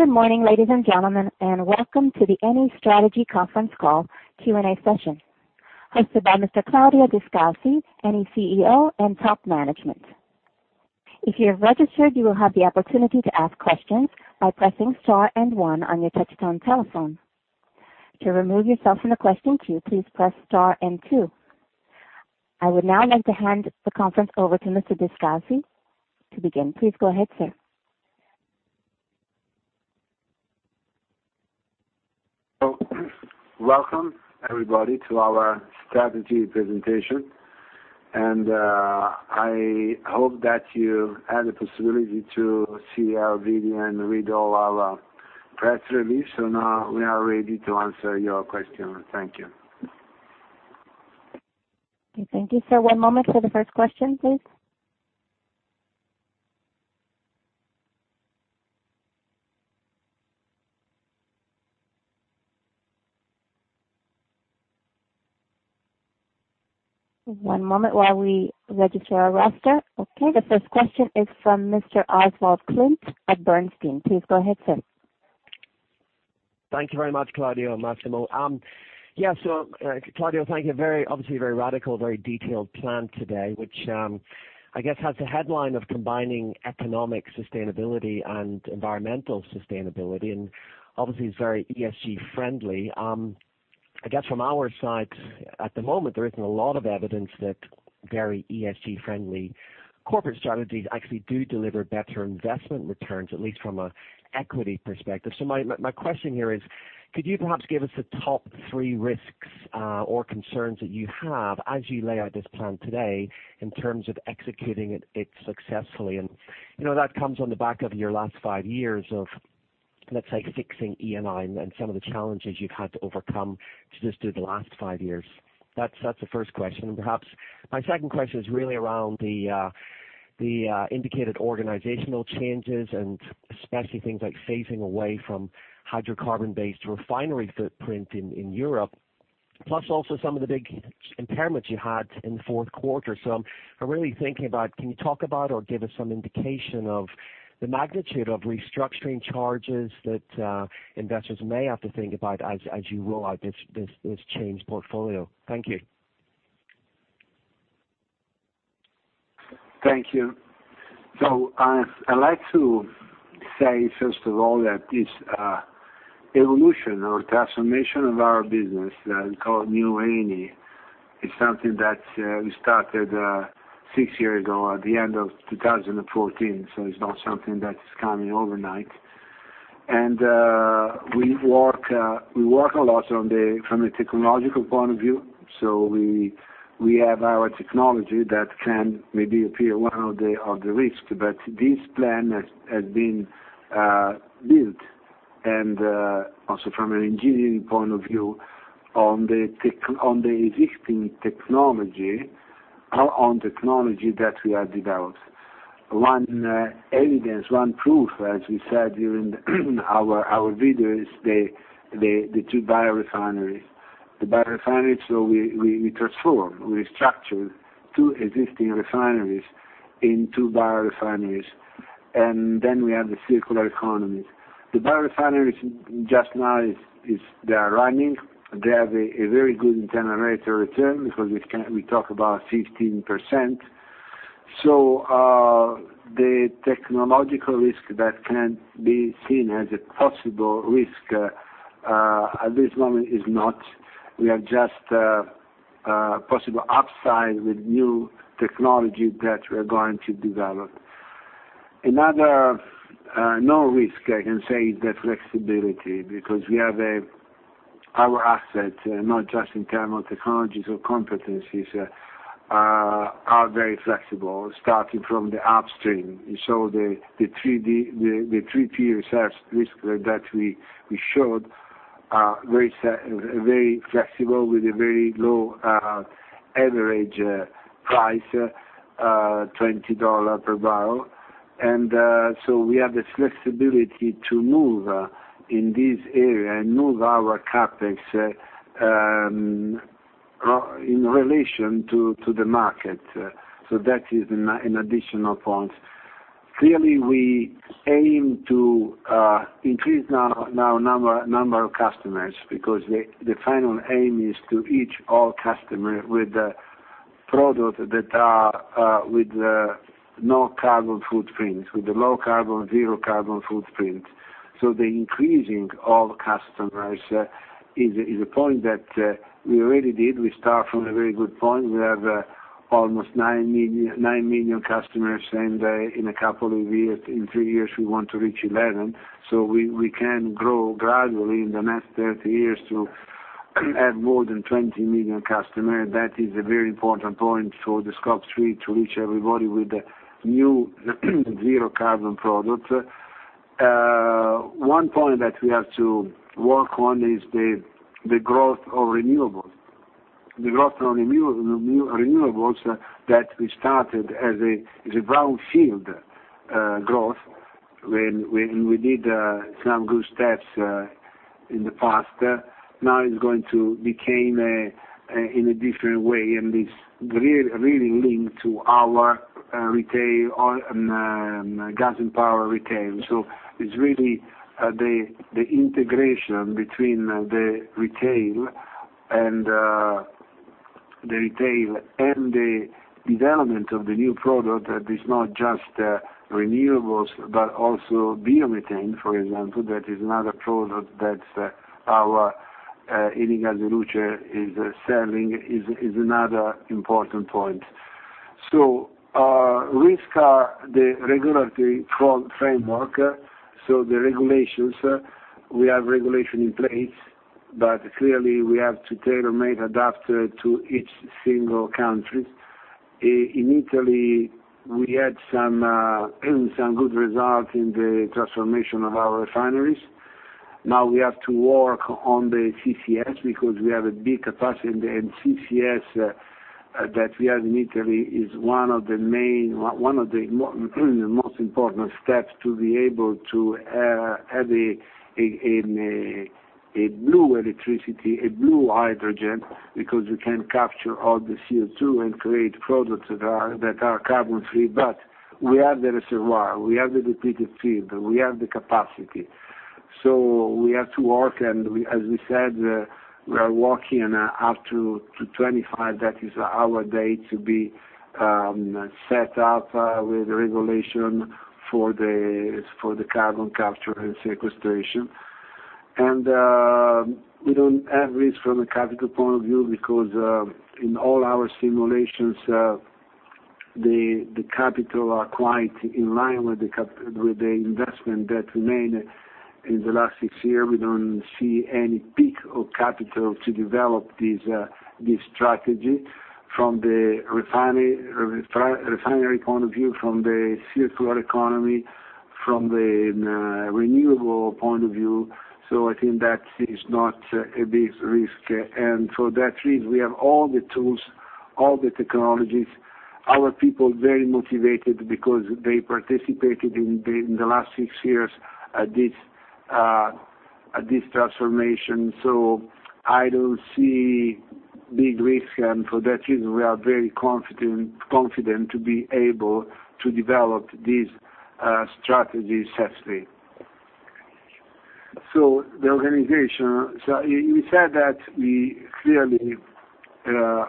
Good morning, ladies and gentlemen. Welcome to the Eni Strategy Conference Call Q&A session, hosted by Mr. Claudio Descalzi, Eni CEO, and top management. If you're registered, you will have the opportunity to ask questions by pressing star and one on your touch-tone telephone. To remove yourself from the question queue, please press star and two. I would now like to hand the conference over to Mr. Descalzi to begin. Please go ahead, sir. Welcome, everybody, to our strategy presentation. I hope that you had the possibility to see our video and read all our press release. Now we are ready to answer your questions. Thank you. Okay. Thank you, sir. One moment for the first question, please. One moment while we register our roster. Okay. The first question is from Mr. Oswald Clint at Bernstein. Please go ahead, sir. Thank you very much, Claudio and Massimo. Claudio, thank you. Obviously, very radical, very detailed plan today, which I guess has the headline of combining economic sustainability and environmental sustainability, and obviously is very ESG friendly. I guess from our side, at the moment, there isn't a lot of evidence that very ESG-friendly corporate strategies actually do deliver better investment returns, at least from an equity perspective. My question here is, could you perhaps give us the top three risks or concerns that you have as you lay out this plan today in terms of executing it successfully? That comes on the back of your last five years of, let's say, fixing Eni and some of the challenges you've had to overcome just through the last five years. That's the first question. Perhaps my second question is really around the indicated organizational changes and especially things like phasing away from hydrocarbon-based refinery footprint in Europe, plus also some of the big impairments you had in Q4. I'm really thinking about, can you talk about or give us some indication of the magnitude of restructuring charges that investors may have to think about as you roll out this change portfolio? Thank you. Thank you. I'd like to say, first of all, that this evolution or transformation of our business that we call New Eni is something that we started 6 years ago at the end of 2014. It's not something that is coming overnight. We work a lot from the technological point of view. We have our technology that can maybe appear one of the risks, but this plan has been built, and also from an engineering point of view, on the existing technology, on technology that we have developed. One evidence, one proof, as we said during our video, is the two biorefineries. The biorefinery, so we transform, we structured two existing refineries in two biorefineries, and then we have the circular economy. The biorefineries just now they are running. They have a very good internal rate of return because we talk about 15%. The technological risk that can be seen as a possible risk at this moment is not. We have just a possible upside with new technology that we are going to develop. Another no risk, I can say, is the flexibility, because our assets, not just in terms of technologies or competencies, are very flexible, starting from the upstream. You saw the 3P reserves risk that we showed are very flexible with a very low average price, $20 per barrel. We have the flexibility to move in this area and move our CapEx in relation to the market. That is an additional point. Clearly, we aim to increase now our number of customers because the final aim is to reach all customers with the products that are with no Carbon Footprints, with a low Carbon, zero Carbon Footprint. The increasing all customers is a point that we already did. We start from a very good point. We have almost nine million customers, and in a couple of years, in three years, we want to reach 11. We can grow gradually in the next 30 years to have more than 20 million customers. That is a very important point for the Scope 3 to reach everybody with the new zero carbon product. One point that we have to work on is the growth of renewables. The growth of renewables that we started as a brown field growth when we did some good steps in the past. Now it's going to become, in a different way, and it's really linked to our gas and power retail. It's really the integration between the retail and the development of the new product that is not just renewables, but also biomethane, for example. That is another product that our Eni gas e luce is selling, is another important point. Risks are the regulatory framework. The regulations, we have regulation in place, but clearly we have to tailor-make, adapt to each single country. In Italy, we had some good results in the transformation of our refineries. Now we have to work on the CCS because we have a big capacity, and the CCS that we have in Italy is one of the most important steps to be able to have a blue electricity, a blue hydrogen, because we can capture all the CO2 and create products that are carbon free. We have the reservoir, we have the depleted field, we have the capacity. We have to work, and as we said, we are working up to 2025. That is our date to be set up with regulation for the carbon capture and sequestration. We don't have risk from a capital point of view because, in all our simulations, the capital are quite in line with the investment that remained in the last six years. We don't see any peak of capital to develop this strategy from the refinery point of view, from the circular economy, from the renewable point of view. I think that is not a big risk. For that reason, we have all the tools, all the technologies. Our people very motivated because they participated in the last six years at this transformation. I don't see big risk, and for that reason, we are very confident to be able to develop these strategies successfully. The organization. You said that we clearly,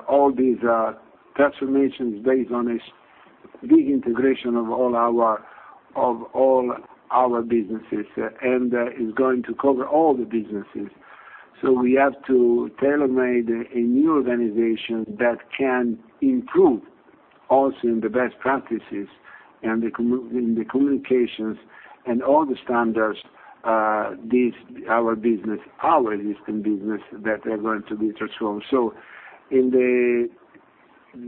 all these transformations based on a big integration of all our businesses. It's going to cover all the businesses. We have to tailor-made a new organization that can improve also in the best practices and in the communications and all the standards, our existing business that are going to be transformed.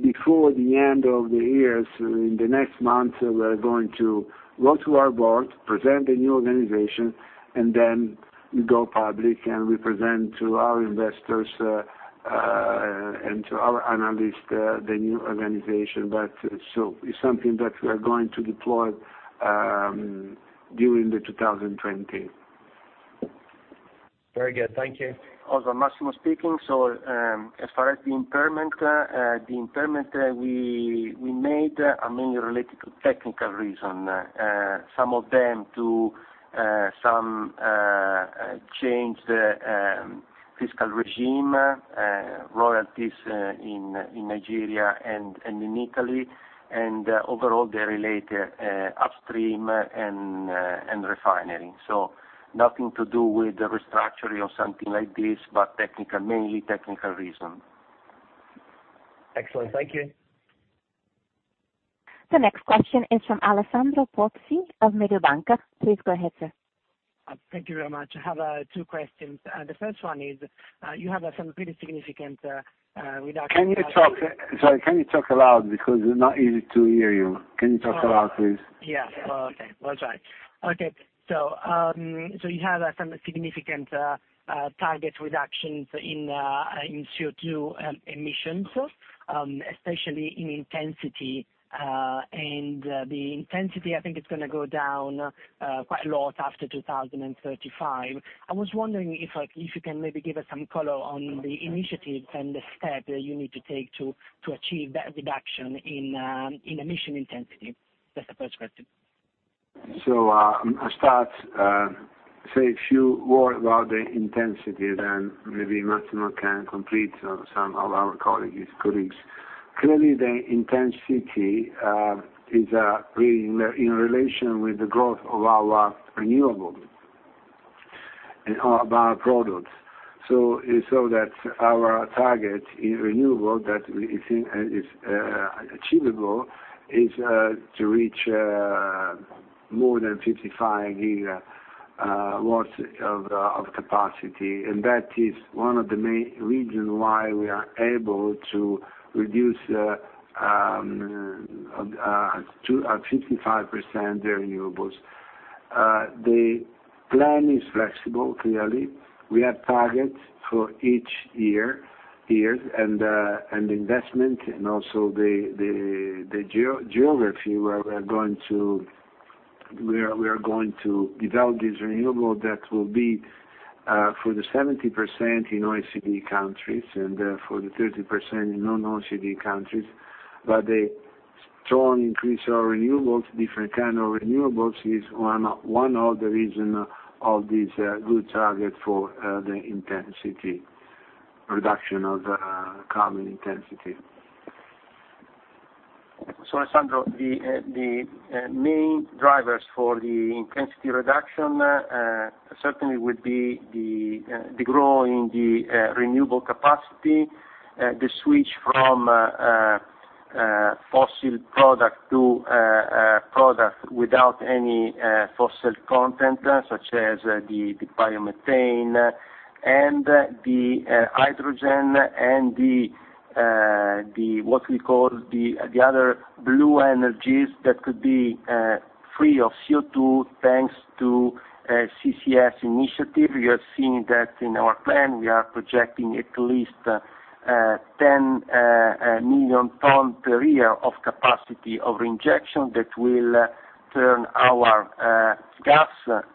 Before the end of the year, so in the next month, we're going to go to our board, present a new organization, and then we go public and we present to our investors, and to our analysts, the new organization. It's something that we are going to deploy during the 2020. Very good. Thank you. Also, Massimo speaking. As far as the impairment we made are mainly related to technical reason. Some of them to some change the fiscal regime, royalties in Nigeria and in Italy. Overall, they relate upstream and refinery. Nothing to do with the restructuring or something like this, but mainly technical reason. Excellent. Thank you. The next question is from Alessandro Pozzi of Mediobanca. Please go ahead, sir. Thank you very much. I have two questions. The first one is, you have some pretty significant reduction. Sorry, can you talk loud because it's not easy to hear you. Can you talk loud, please? Yes. Okay. I will try. You have some significant target reductions in CO2 emissions, especially in intensity. The intensity, I think it's going to go down quite a lot after 2035. I was wondering if you can maybe give us some color on the initiatives and the step that you need to take to achieve that reduction in emission intensity. That's the first question. I'll start, say a few word about the intensity, then maybe Massimo can complete some of our colleagues. The intensity is really in relation with the growth of our renewable and of our products. That our target in renewable that we think is achievable is to reach more than 55 GW of capacity. That is one of the main reason why we are able to reduce 55% renewables. The plan is flexible, clearly. We have targets for each year and investment and also the geography where we're going to develop these renewables that will be for the 70% in OECD countries, and for the 30% in non-OECD countries. The strong increase of renewables, different kind of renewables, is one of the reason of this good target for the intensity reduction of carbon intensity. Alessandro, the main drivers for the intensity reduction certainly would be the growth in the renewable capacity, the switch from fossil product to a product without any fossil content, such as the biomethane and the hydrogen and the, what we call, the other blue energies that could be free of CO2 thanks to CCS initiative. You have seen that in our plan, we are projecting at least 10 million ton per year of capacity of injection that will turn our gas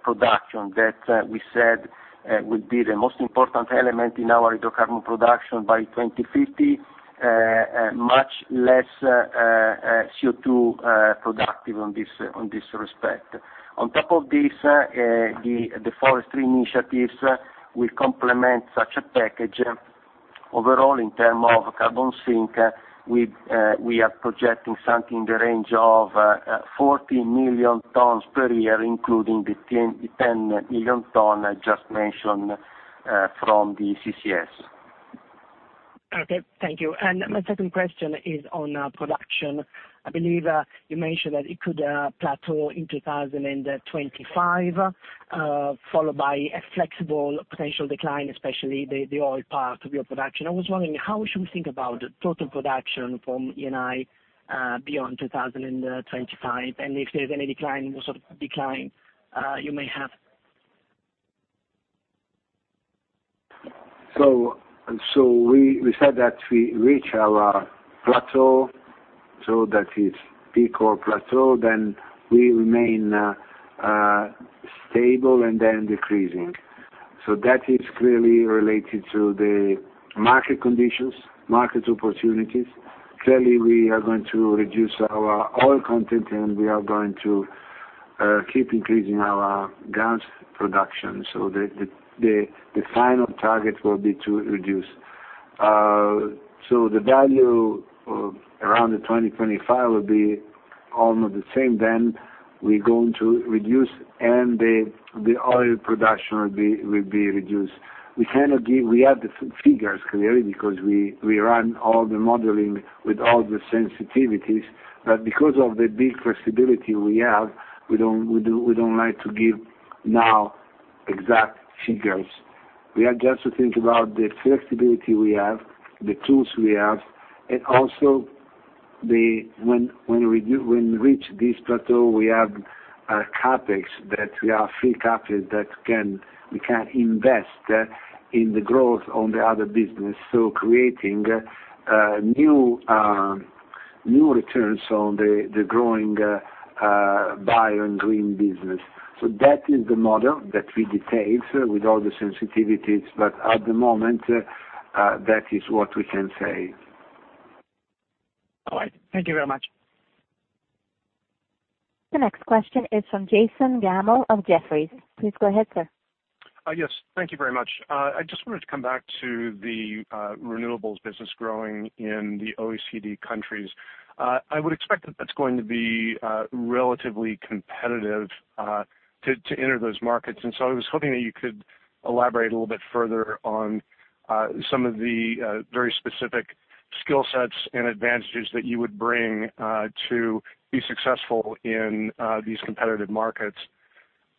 production, that we said will be the most important element in our hydrocarbon production by 2050, much less CO2 productive on this respect. On top of this, the forestry initiatives will complement such a package. Overall, in term of carbon sink, we are projecting something in the range of 40 million tons per year, including the 10 million ton I just mentioned from the CCS. Okay, thank you. My second question is on production. I believe you mentioned that it could plateau in 2025, followed by a flexible potential decline, especially the oil part of your production. I was wondering, how should we think about total production from Eni, beyond 2025? If there's any decline, what sort of decline you may have? We said that we reach our plateau, so that is peak or plateau, then we remain stable and then decreasing. That is clearly related to the market conditions, market opportunities. Clearly, we are going to reduce our oil content, and we are going to keep increasing our gas production. The final target will be to reduce. The value of around the 2025 will be almost the same. We're going to reduce, and the oil production will be reduced. We have the figures, clearly, because we run all the modeling with all the sensitivities. Because of the big flexibility we have, we don't like to give now exact figures. We have just to think about the flexibility we have, the tools we have, and also when we reach this plateau, we have a CapEx, that we have free CapEx that we can invest in the growth on the other business. Creating new returns on the growing bio and green business. That is the model that we detail with all the sensitivities. At the moment, that is what we can say. All right. Thank you very much. The next question is from Jason Gammel of Jefferies. Please go ahead, sir. Yes, thank you very much. I just wanted to come back to the renewables business growing in the OECD countries. I would expect that that's going to be relatively competitive to enter those markets. I was hoping that you could elaborate a little bit further on some of the very specific skill sets and advantages that you would bring to be successful in these competitive markets.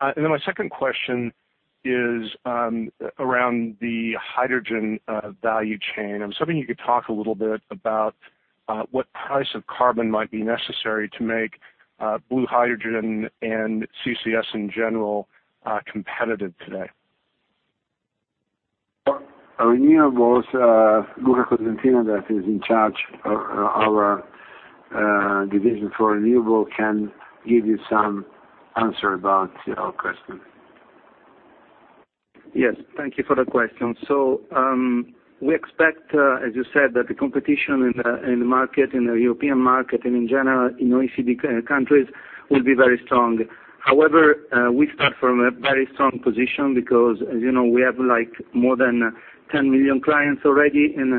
My second question is around the hydrogen value chain. I was hoping you could talk a little bit about what price of carbon might be necessary to make blue hydrogen and CCS in general competitive today. For renewables, Luca Cosentino, that is in charge of our division for renewable, can give you some answer about your question. Yes, thank you for the question. We expect, as you said, that the competition in the market, in the European market, and in general, in OECD countries, will be very strong. However, we start from a very strong position because, as we have more than 10 million clients already in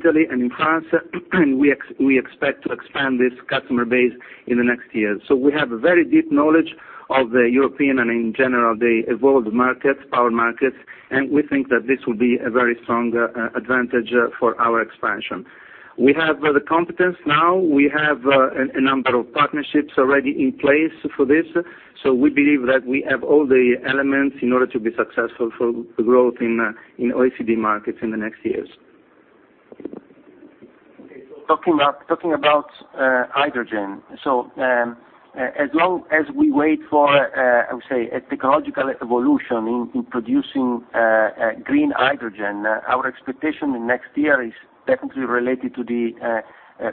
Italy and in France, and we expect to expand this customer base in the next years. We have a very deep knowledge of the European and in general, the world markets, power markets, and we think that this will be a very strong advantage for our expansion. We have the competence now. We have a number of partnerships already in place for this. We believe that we have all the elements in order to be successful for growth in OECD markets in the next years. Talking about hydrogen. As long as we wait for, I would say, a technological evolution in producing green hydrogen, our expectation in next year is definitely related to the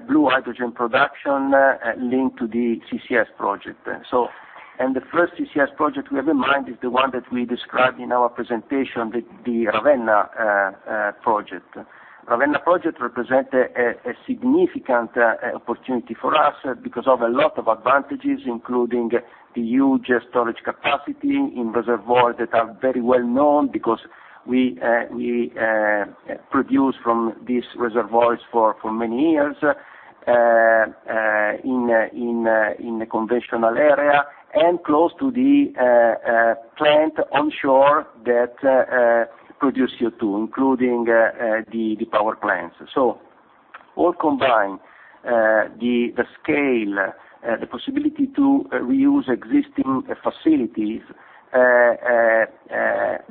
blue hydrogen production linked to the CCS project. The first CCS project we have in mind is the one that we described in our presentation, the Ravenna project. Ravenna project represent a significant opportunity for us because of a lot of advantages, including the huge storage capacity in reservoirs that are very well-known, because we produce from these reservoirs for many years, in the conventional area, and close to the plant onshore that produce CO2, including the power plants. All combined, the scale, the possibility to reuse existing facilities,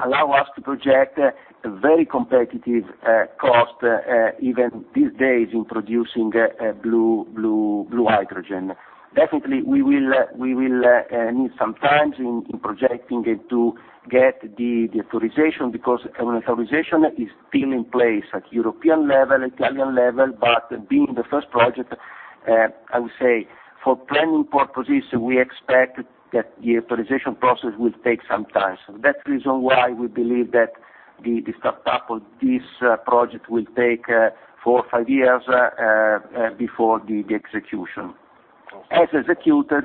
allow us to project a very competitive cost, even these days, in producing blue hydrogen. Definitely, we will need some time in projecting it to get the authorization, because an authorization is still in place at European level, Italian level, but being the first project, I would say, for planning purposes, we expect that the authorization process will take some time. That's the reason why we believe that the start up of this project will take 4 or 5 years, before the execution. As executed,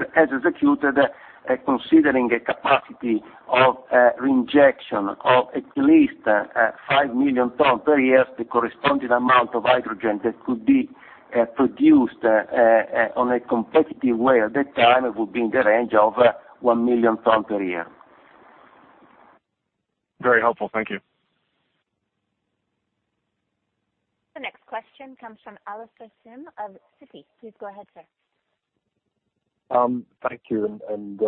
considering a capacity of reinjection of at least 5 million tons per year, the corresponding amount of hydrogen that could be produced on a competitive way at that time would be in the range of 1 million ton per year. Very helpful. Thank you. The next question comes from Alastair Syme of Citi. Please go ahead, sir. Thank you, and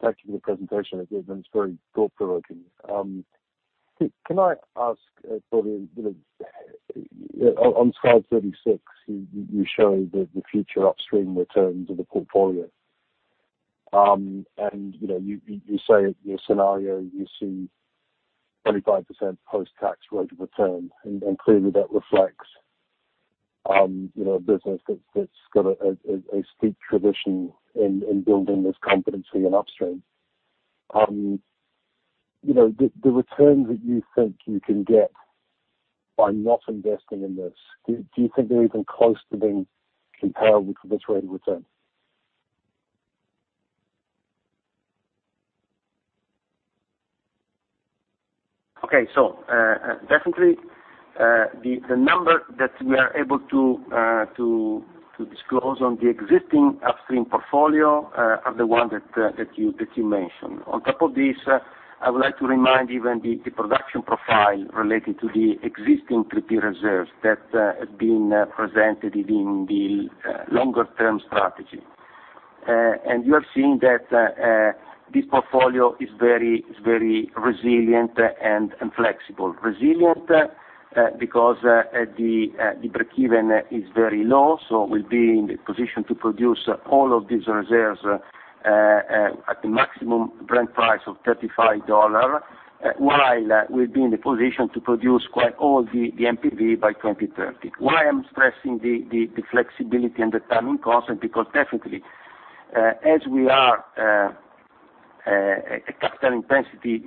thank you for the presentation. It's been very thought-provoking. Can I ask, Claudio, on Slide 36, you show the future upstream returns of the portfolio. You say your scenario, you see 25% post-tax rate of return, and clearly that reflects a business that's got a steep tradition in building this competency in upstream. The returns that you think you can get by not investing in this, do you think they're even close to being comparable to this rate of return? Okay. Definitely, the number that we are able to disclose on the existing upstream portfolio are the one that you mentioned. On top of this, I would like to remind you when the production profile related to the existing 3P reserves that have been presented within the longer term strategy. You are seeing that this portfolio is very resilient and flexible. Resilient because the breakeven is very low, we'll be in the position to produce all of these reserves at the maximum Brent price of $35, while we'll be in the position to produce quite all the NPV by 2030. Why I'm stressing the flexibility and the timing cost? Definitely, as we are a capital intensity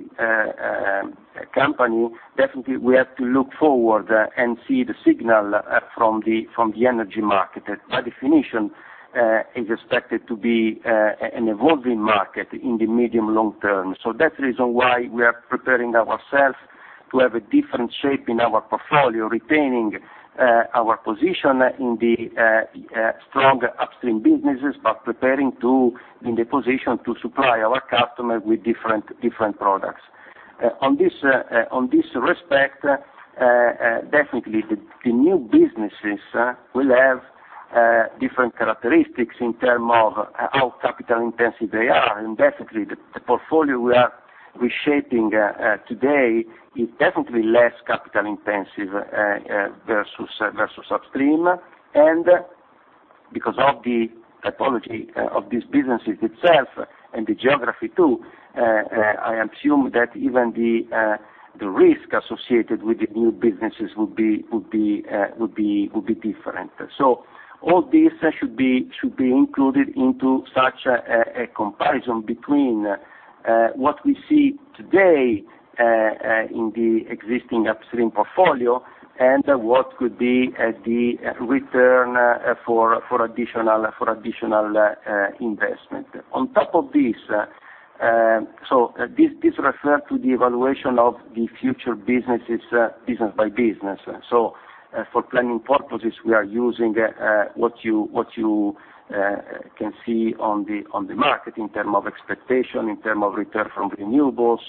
company, definitely we have to look forward and see the signal from the energy market. By definition, is expected to be an evolving market in the medium long term. That's the reason why we are preparing ourselves to have a different shape in our portfolio, retaining our position in the strong upstream businesses, but preparing to be in the position to supply our customers with different products. On this respect, definitely the new businesses will have different characteristics in term of how capital intensive they are. Basically, the portfolio we are reshaping today is definitely less capital intensive versus upstream. Because of the topology of these businesses itself and the geography too, I assume that even the risk associated with the new businesses would be different. All this should be included into such a comparison between what we see today, in the existing upstream portfolio and what could be the return for additional investment. On top of this refer to the evaluation of the future businesses, business by business. For planning purposes, we are using what you can see on the market in terms of expectation, in terms of return from renewables.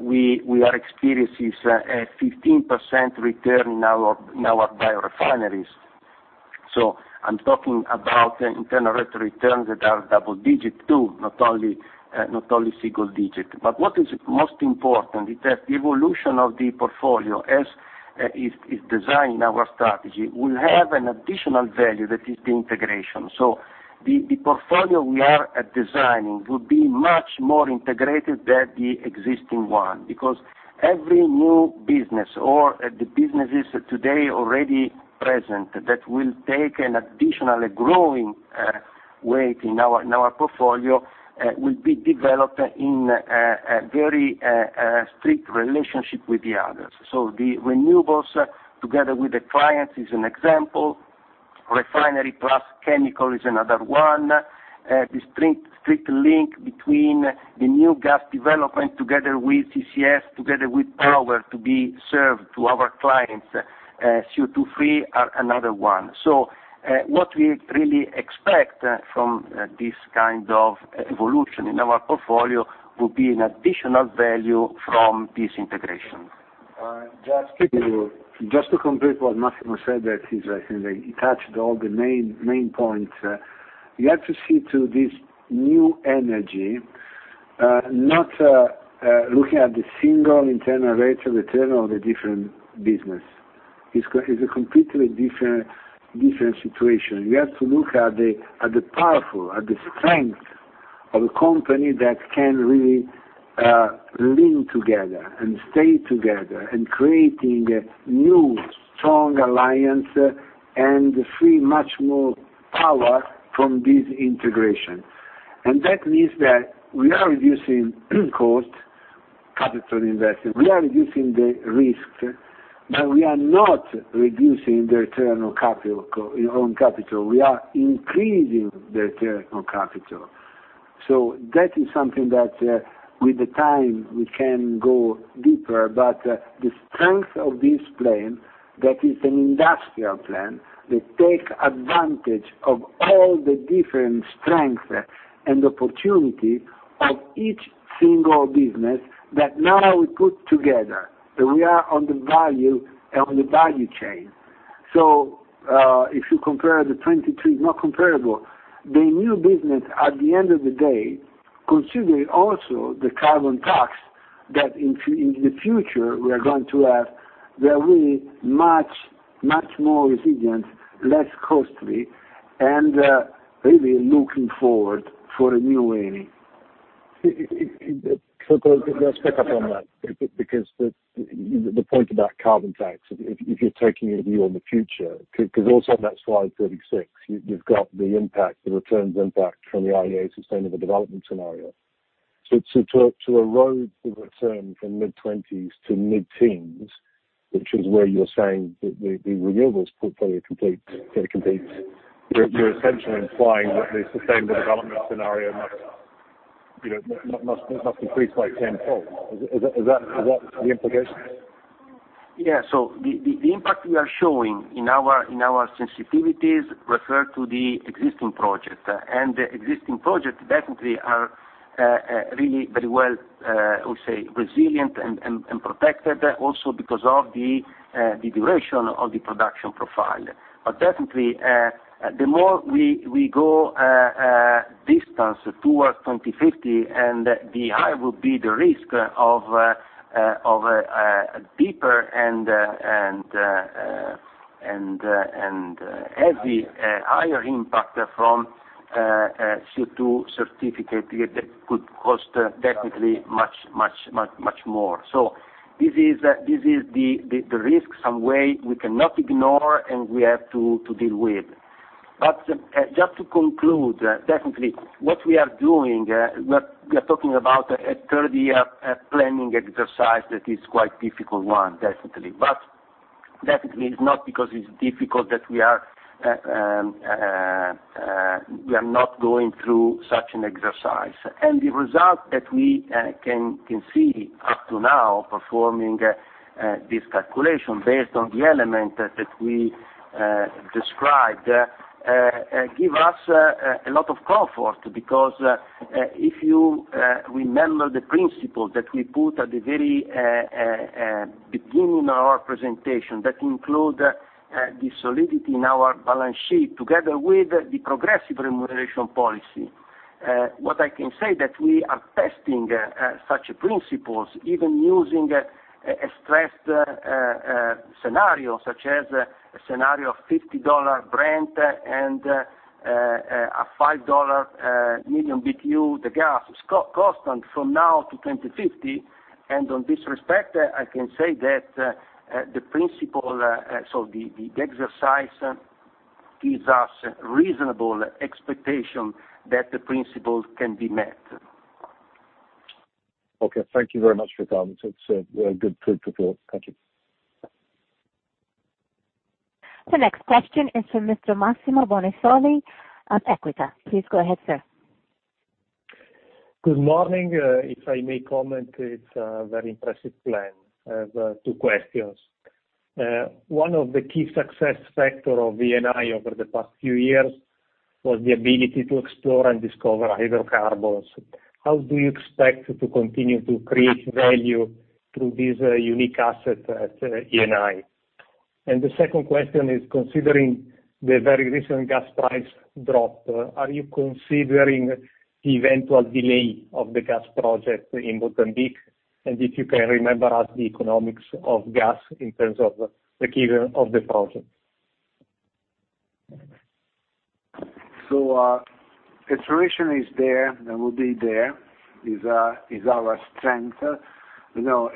We are experiencing a 15% return in our bio refineries. I'm talking about internal rates of return that are double-digit too, not only single-digit. What is most important is that the evolution of the portfolio, as is designed in our strategy, will have an additional value that is the integration. The portfolio we are designing will be much more integrated than the existing one, because every new business or the businesses today already present that will take an additional growing weight in our portfolio, will be developed in a very strict relationship with the others. The renewables together with the clients is an example. Refinery plus chemical is another one. The strict link between the new gas development together with CCS, together with power to be served to our clients, CO2 free, are another one. What we really expect from this kind of evolution in our portfolio will be an additional value from this integration. Just to complete what Massimo said, I think he touched all the main points. You have to see to this New Eni, not looking at the single internal rates of return of the different business. It's a completely different situation. You have to look at the strength of a company that can really lean together and stay together in creating a new strong alliance and free much more power from this integration. That means that we are reducing cost, capital investment. We are reducing the risks, we are not reducing the return on capital. We are increasing the return on capital. That is something that with time, we can go deeper, but the strength of this plan, that is an industrial plan, that takes advantage of all the different strengths and opportunities of each single business that now we put together, that we are on the value chain. If you compare the 2022, it's not comparable. The new business, at the end of the day, considering also the carbon tax, that in the future we are going to have, they are really much more resilient, less costly, and really looking forward for a New Eni. Could I just pick up on that? The point about carbon tax, if you're taking a view on the future, because also on that Slide 36, you've got the impact, the returns impact from the IEA sustainable development scenario. To erode the return from mid-20s to mid-teens, which is where you're saying the renewables portfolio competes, you're essentially implying that the sustainable development scenario must increase by 10-fold. Is that the implication? Yes. The impact we are showing in our sensitivities refer to the existing project, the existing projects definitely are really very well, I would say, resilient and protected also because of the duration of the production profile. Definitely, the more we go distance towards 2050, the higher will be the risk of a deeper and heavy, higher impact from CO2 certificate that could cost definitely much more. This is the risk some way we cannot ignore, and we have to deal with. Just to conclude, definitely what we are doing, we are talking about a 30-year planning exercise that is quite difficult one, definitely. Definitely is not because it's difficult that we are not going through such an exercise. The result that we can see up to now performing this calculation based on the element that we described, give us a lot of comfort because if you remember the principle that we put at the very beginning of our presentation, that include the solidity in our balance sheet together with the progressive remuneration policy. What I can say that we are testing such principles, even using a stressed scenario, such as a scenario of $50 Brent and a $5 million BTU, the gas is constant from now to 2050. On this respect, I can say that the principle, so the exercise gives us reasonable expectation that the principles can be met. Okay. Thank you very much for comment. It's a good report. Thank you. The next question is from Mr. Massimo Bonisoli of Equita. Please go ahead, sir. Good morning. If I may comment, it's a very impressive plan. I have two questions. One of the key success factor of Eni over the past few years was the ability to explore and discover hydrocarbons. How do you expect to continue to create value through this unique asset at Eni? The second question is, considering the very recent gas price drop, are you considering the eventual delay of the gas project in Mozambique? If you can remind us the economics of gas in terms of the given of the project. Exploration is there, and will be there. Is our strength.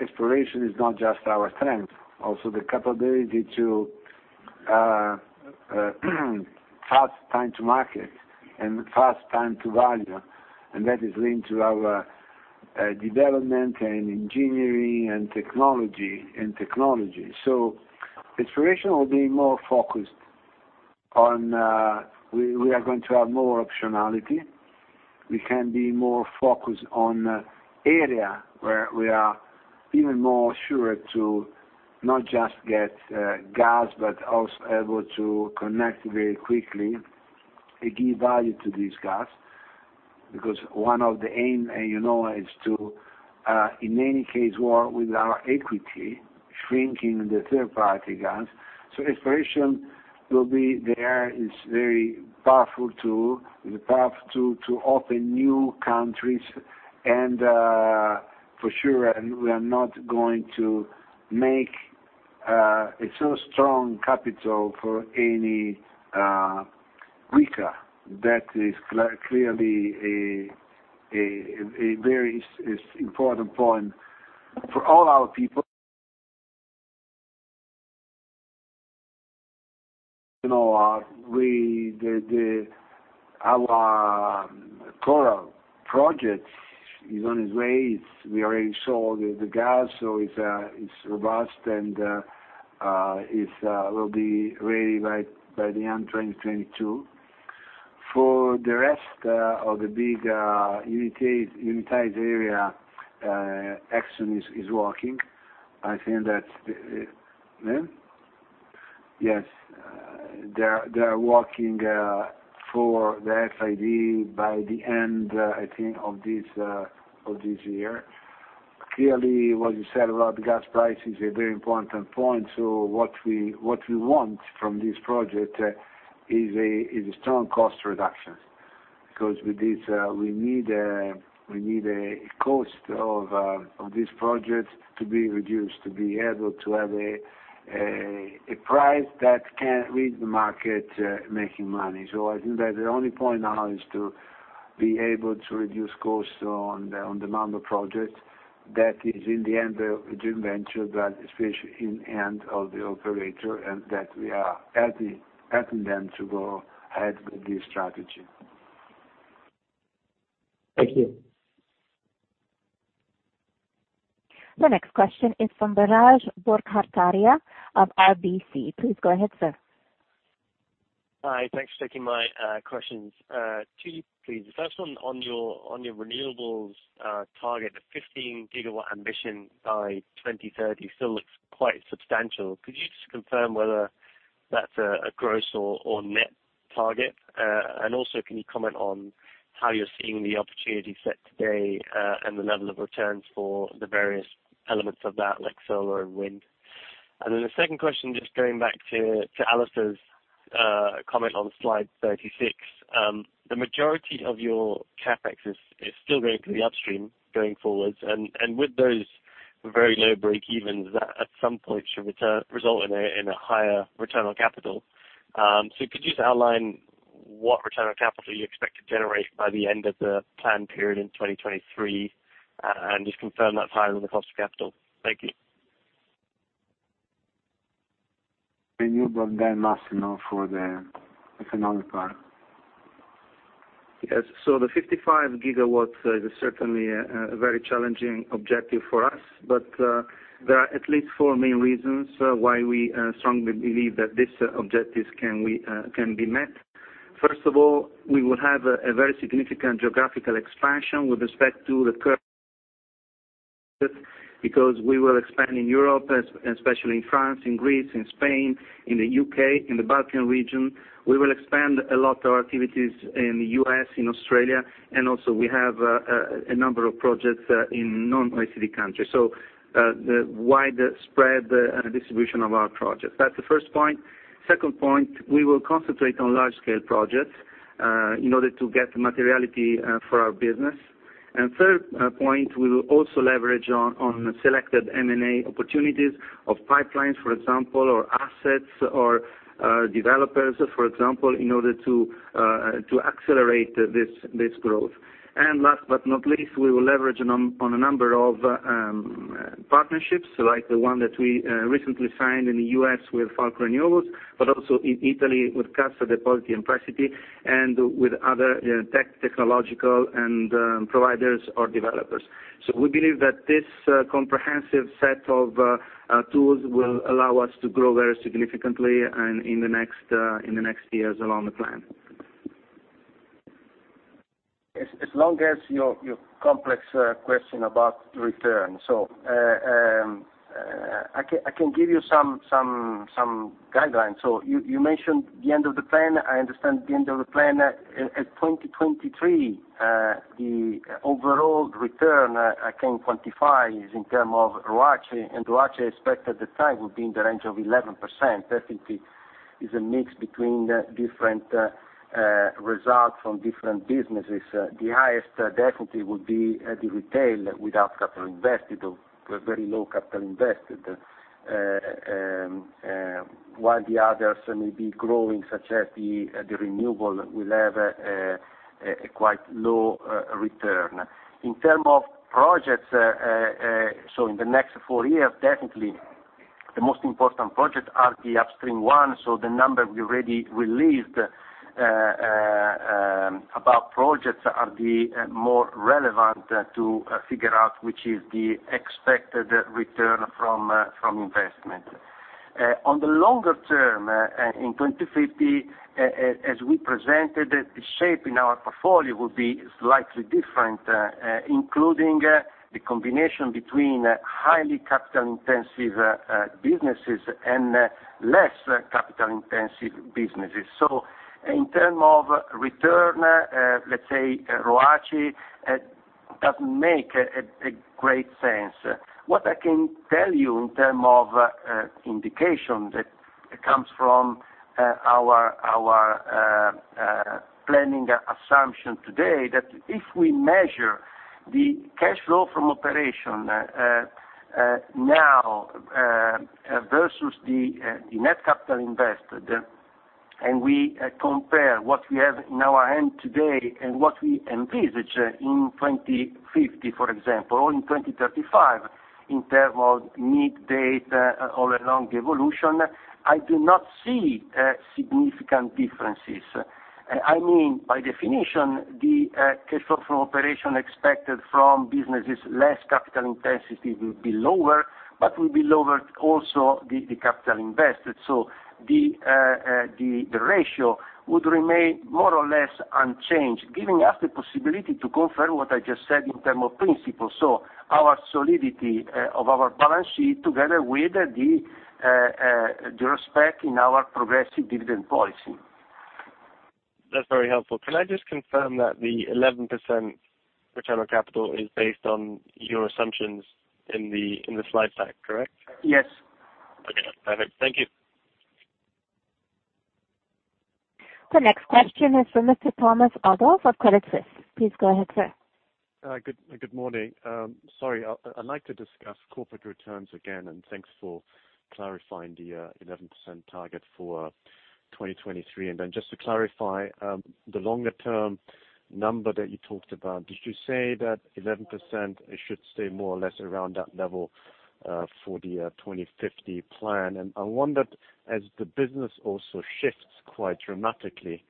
Exploration is not just our strength, also the capability to, fast time to market and fast time to value, and that is linked to our development and engineering and technology. Exploration will be more focused on, we are going to have more optionality. We can be more focused on area where we are even more sure to not just get gas, but also able to connect very quickly, and give value to this gas. One of the aim, and is to, in any case, work with our equity, shrinking the third party gas. Exploration will be there. It's very powerful tool, the path to open new countries and, for sure, we are not going to make a so strong capital for any weaker. That is clearly a very important point for all our people. Our Coral project is on its way. We already saw the gas, so it's robust and will be ready by the end of 2022. For the rest of the big unitized area, Exxon is working. I think that Yes. They are working for the FID by the end, I think, of this year. What you said about gas price is a very important point. What we want from this project is a strong cost reduction. With this, we need a cost of this project to be reduced to be able to have a price that can read the market making money. I think that the only point now is to be able to reduce costs on the Mamba project. That is, in the end, a joint venture, but especially in the end, the operator, and that we are helping them to go ahead with this strategy. Thank you. The next question is from Biraj Borkhataria of RBC. Please go ahead, sir. Hi. Thanks for taking my questions. Two, please. The first one on your renewables target, the 15 gigawatt ambition by 2030 still looks quite substantial. Could you just confirm whether that's a gross or net target? Also, can you comment on how you're seeing the opportunity set today, and the level of returns for the various elements of that, like solar and wind? Then the second question, just going back to Alastair's comment on Slide 36. The majority of your CapEx is still going to the upstream going forwards. With those very low breakevens, that at some point should return result in a higher return on capital. Could you just outline what return on capital you expect to generate by the end of the plan period in 2023, and just confirm that's higher than the cost of capital? Thank you. Renewable, then Massimo for the economic part. Yes. The 55 gigawatts is certainly a very challenging objective for us, but there are at least four main reasons why we strongly believe that this objectives can be met. First of all, we will have a very significant geographical expansion with respect to the current, because we will expand in Europe, especially in France, in Greece, in Spain, in the U.K., in the Balkan region. We will expand a lot our activities in U.S., in Australia, and also we have a number of projects in non-OECD countries. The widespread distribution of our projects. That's the first point. Second point, we will concentrate on large scale projects in order to get materiality for our business. Third point, we will also leverage on selected M&A opportunities of pipelines, for example, or assets or developers, for example, in order to accelerate this growth. Last but not least, we will leverage on a number of partnerships, like the one that we recently signed in the U.S. with Falck Renewables, but also in Italy with Cassa Depositi e Prestiti and with other tech, technological and providers or developers. We believe that this comprehensive set of tools will allow us to grow very significantly in the next years along the plan. As long as your complex question about return. I can give you some guidelines. You mentioned the end of the plan. I understand the end of the plan at 2023, the overall return I can quantify is in terms of ROACE. ROACE I expect at the time will be in the range of 11%. Definitely is a mix between different results from different businesses. The highest definitely would be the retail without capital invested, or very low capital invested. While the others may be growing, such as the renewable, will have a quite low return. In terms of projects, in the next four years, definitely the most important projects are the upstream one. The number we already released about projects are the more relevant to figure out which is the expected return from investment. On the longer term, in 2050, as we presented, the shape in our portfolio will be slightly different, including the combination between highly capital intensive businesses and less capital intensive businesses. In term of return, let's say ROACE doesn't make a great sense. What I can tell you in term of indication that comes from our planning assumption today, that if we measure the cash flow from operation now, versus the net capital invested, and we compare what we have in our hand today and what we envisage in 2050, for example, or in 2035, in term of mid date or along the evolution, I do not see significant differences. I mean, by definition, the cash flow from operation expected from businesses less capital intensity will be lower, but will be lower also the capital invested. The ratio would remain more or less unchanged, giving us the possibility to confirm what I just said in terms of principles. Our solidity of our balance sheet together with the respect in our progressive dividend policy. That's very helpful. Can I just confirm that the 11% return on capital is based on your assumptions in the slide deck, correct? Yes. Okay, perfect. Thank you. The next question is from Mr. Thomas Adolff of Credit Suisse. Please go ahead, sir. Good morning. Sorry, I'd like to discuss corporate returns again, and thanks for clarifying the 11% target for 2023. Just to clarify, the longer term number that you talked about, did you say that 11%, it should stay more or less around that level, for the 2050 plan? I wondered, as the business also shifts quite dramatically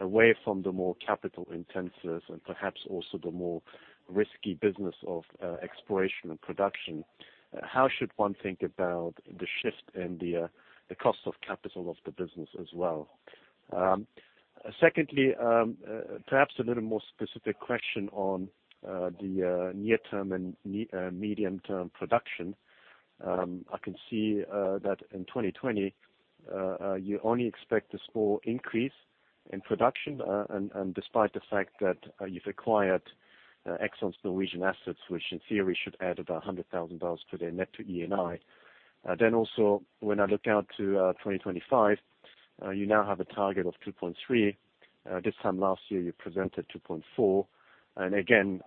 away from the more capital intensive and perhaps also the more risky business of exploration and production, how should one think about the shift in the cost of capital of the business as well? Secondly, perhaps a little more specific question on the near term and medium term production. I can see that in 2020, you only expect a small increase in production, despite the fact that you've acquired ExxonMobil's Norwegian assets, which in theory should add about EUR 100,000 to their net to Eni. Also, when I look out to 2025, you now have a target of 2.3. This time last year, you presented 2.4. Again,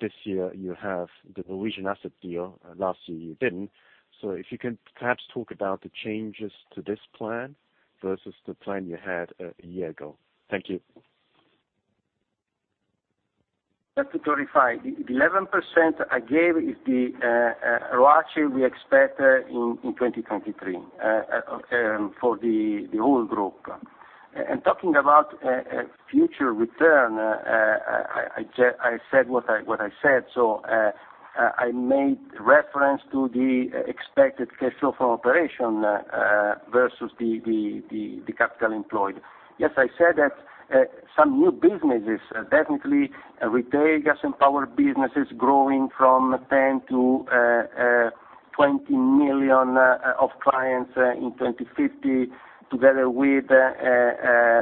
this year you have the Norwegian asset deal. Last year you didn't. If you could perhaps talk about the changes to this plan versus the plan you had a year ago. Thank you. Just to clarify, the 11% I gave is the ROACE we expect in 2023, for the whole group. Talking about future return, I said what I said, so I made reference to the expected cash flow from operation versus the capital employed. Yes, I said that some new businesses, definitely retail gas and power business is growing from 10 million-20 million of clients in 2050, together with, I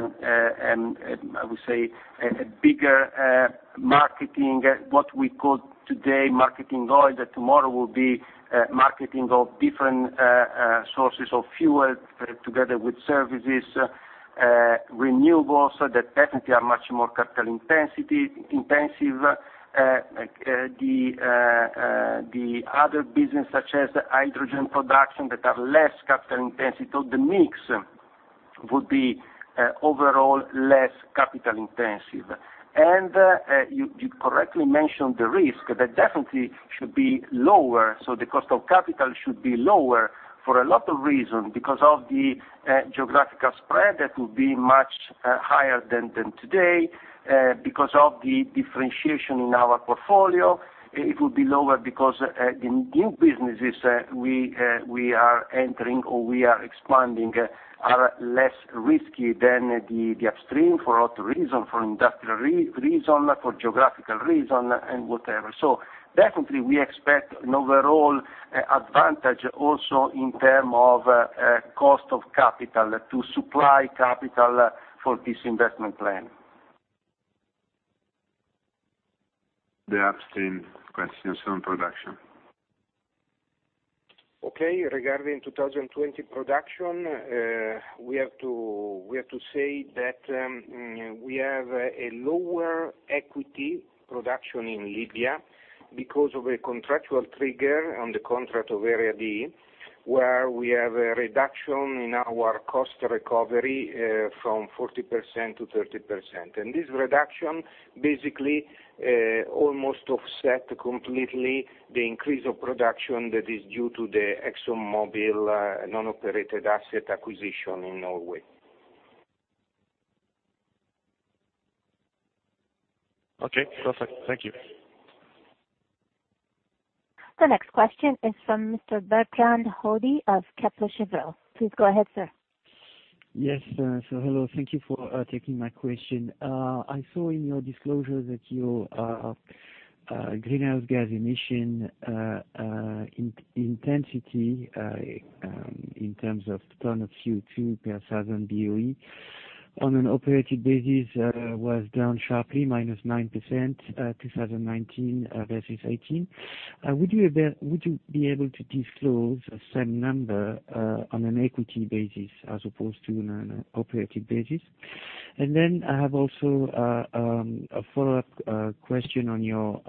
would say, a bigger marketing, what we call today marketing oil, that tomorrow will be marketing of different sources of fuel together with services, renewables, that definitely are much more capital intensive. The other business, such as hydrogen production that are less capital intensive. The mix would be overall less capital intensive. You correctly mentioned the risk, that definitely should be lower. The cost of capital should be lower for a lot of reasons, because of the geographical spread, that will be much higher than today, because of the differentiation in our portfolio. It will be lower because the new businesses we are entering or we are expanding are less risky than the upstream for a lot of reasons, for industrial reasons, for geographical reasons, and whatever. Definitely we expect an overall advantage also in terms of cost of capital to supply capital for this investment plan. The upstream questions on production. Okay. Regarding 2020 production, we have to say that we have a lower equity production in Libya because of a contractual trigger on the contract of Area D, where we have a reduction in our cost recovery from 40% to 30%. This reduction basically almost offset completely the increase of production that is due to the ExxonMobil non-operated asset acquisition in Norway. Okay, perfect. Thank you. The next question is from Mr. Bertrand Hodée of Kepler Cheuvreux. Please go ahead, sir. Yes, sir. Hello. Thank you for taking my question. I saw in your disclosure that your greenhouse gas emission intensity, in terms of ton of CO2 per thousand BOE on an operated basis, was down sharply, -9% 2019 versus 2018. Would you be able to disclose the same number on an equity basis as opposed to on an operated basis? I have also a follow-up question on your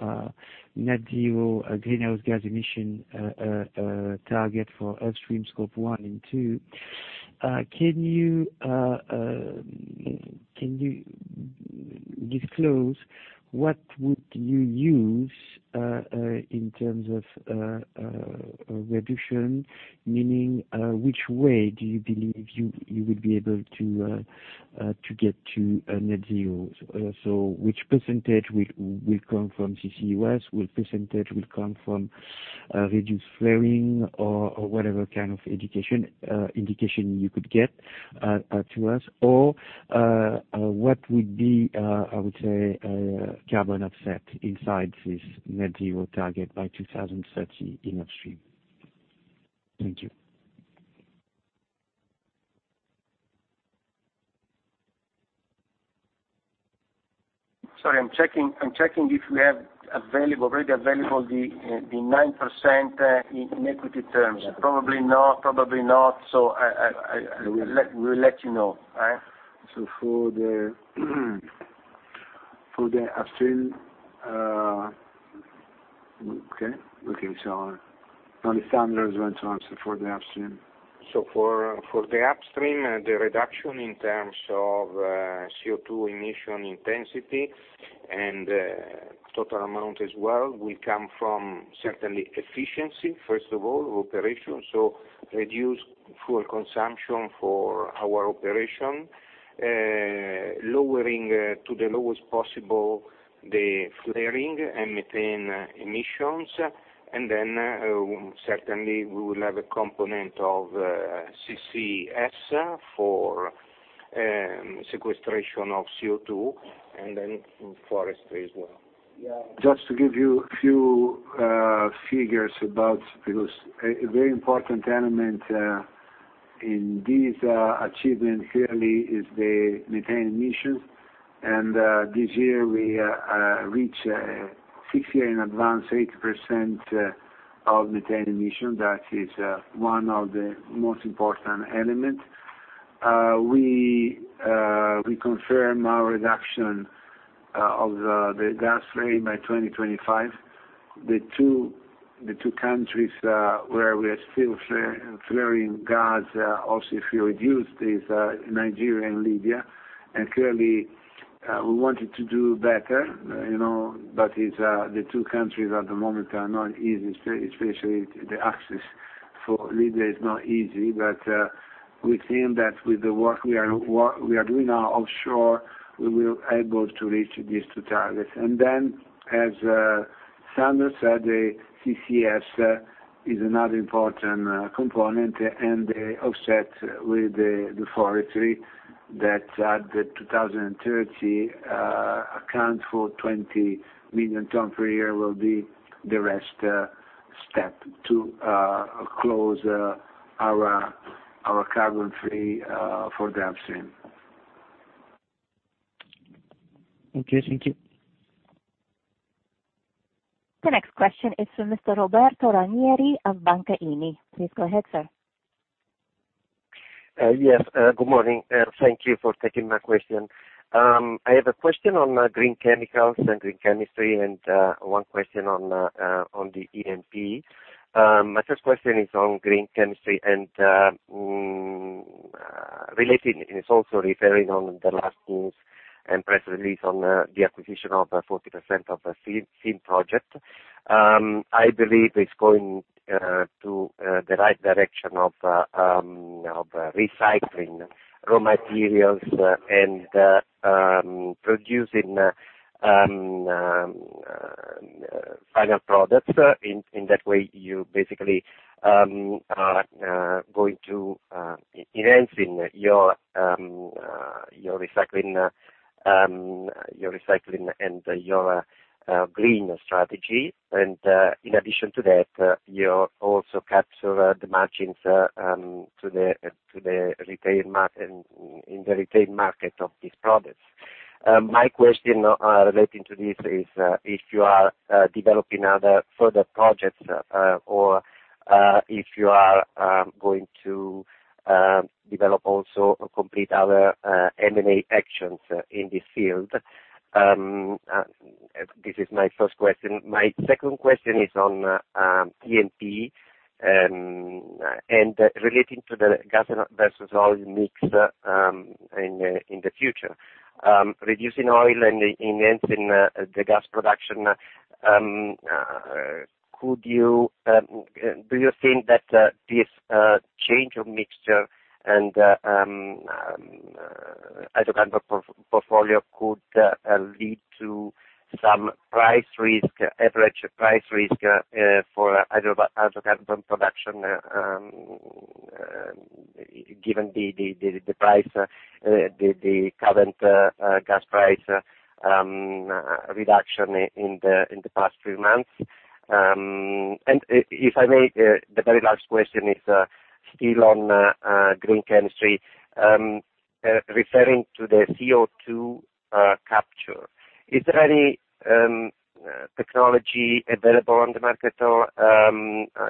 net zero greenhouse gas emission target for Upstream Scope 1 and 2. Can you disclose what would you use in terms of reduction? Meaning, which way do you believe you would be able to get to net zero? Which percentage will come from CCUS? What percentage will come from reduced flaring or whatever kind of indication you could give to us, or what would be, I would say, carbon offset inside this net zero target by 2030 in Upstream? Thank you. Sorry, I'm checking if we have already available the 9% in equity terms. Probably not. We'll let you know. For the upstream. Okay, so now if Sanders wants to answer for the upstream. For the upstream, the reduction in terms of CO2 emission intensity and total amount as well will come from certainly efficiency, first of all, operation, so reduced fuel consumption for our operation, lowering to the lowest possible the flaring and methane emissions. Then certainly we will have a component of CCS for sequestration of CO2, and then forestry as well. Just to give you a few figures about, because a very important element in this achievement clearly is the methane emissions. This year we reach six year in advance, 80% of methane emission. That is one of the most important element. We confirm our reduction of the gas flaring by 2025. The two countries where we are still flaring gas, also if we reduce, is Nigeria and Libya. Clearly we wanted to do better. The two countries at the moment are not easy, especially the access for Libya is not easy. We think that with the work we are doing now offshore, we will be able to reach these two targets. As Sanders said, the CCS is another important component, and the offset with the forestry that the 2030 accounts for 20 million ton per year will be the rest step to close our carbon free for the upstream. Okay, thank you. The next question is from Mr. Roberto Ranieri of Banca Intesa. Please go ahead, sir. Yes, good morning. Thank you for taking my question. I have a question on green chemicals and green chemistry and one question on the E&P. My first question is on green chemistry and relating, it's also referring on the last news and press release on the acquisition of 40% of the SEAM project. I believe it's going to the right direction of recycling raw materials and producing final products. In that way you basically are going to enhancing your recycling and your green strategy. In addition to that, you also capture the margins in the retail market of these products. My question relating to this is, if you are developing other further projects or if you are going to develop also or complete other M&A actions in this field. This is my first question. My second question is on E&P, and relating to the gas versus oil mix in the future. Reducing oil and enhancing the gas production, do you think that this change of mixture and hydrocarbon portfolio could lead to some average price risk for hydrocarbon production, given the current gas price reduction in the past few months? If I may, the very last question is still on green chemistry. Referring to the CO2 capture, is there any technology available on the market, or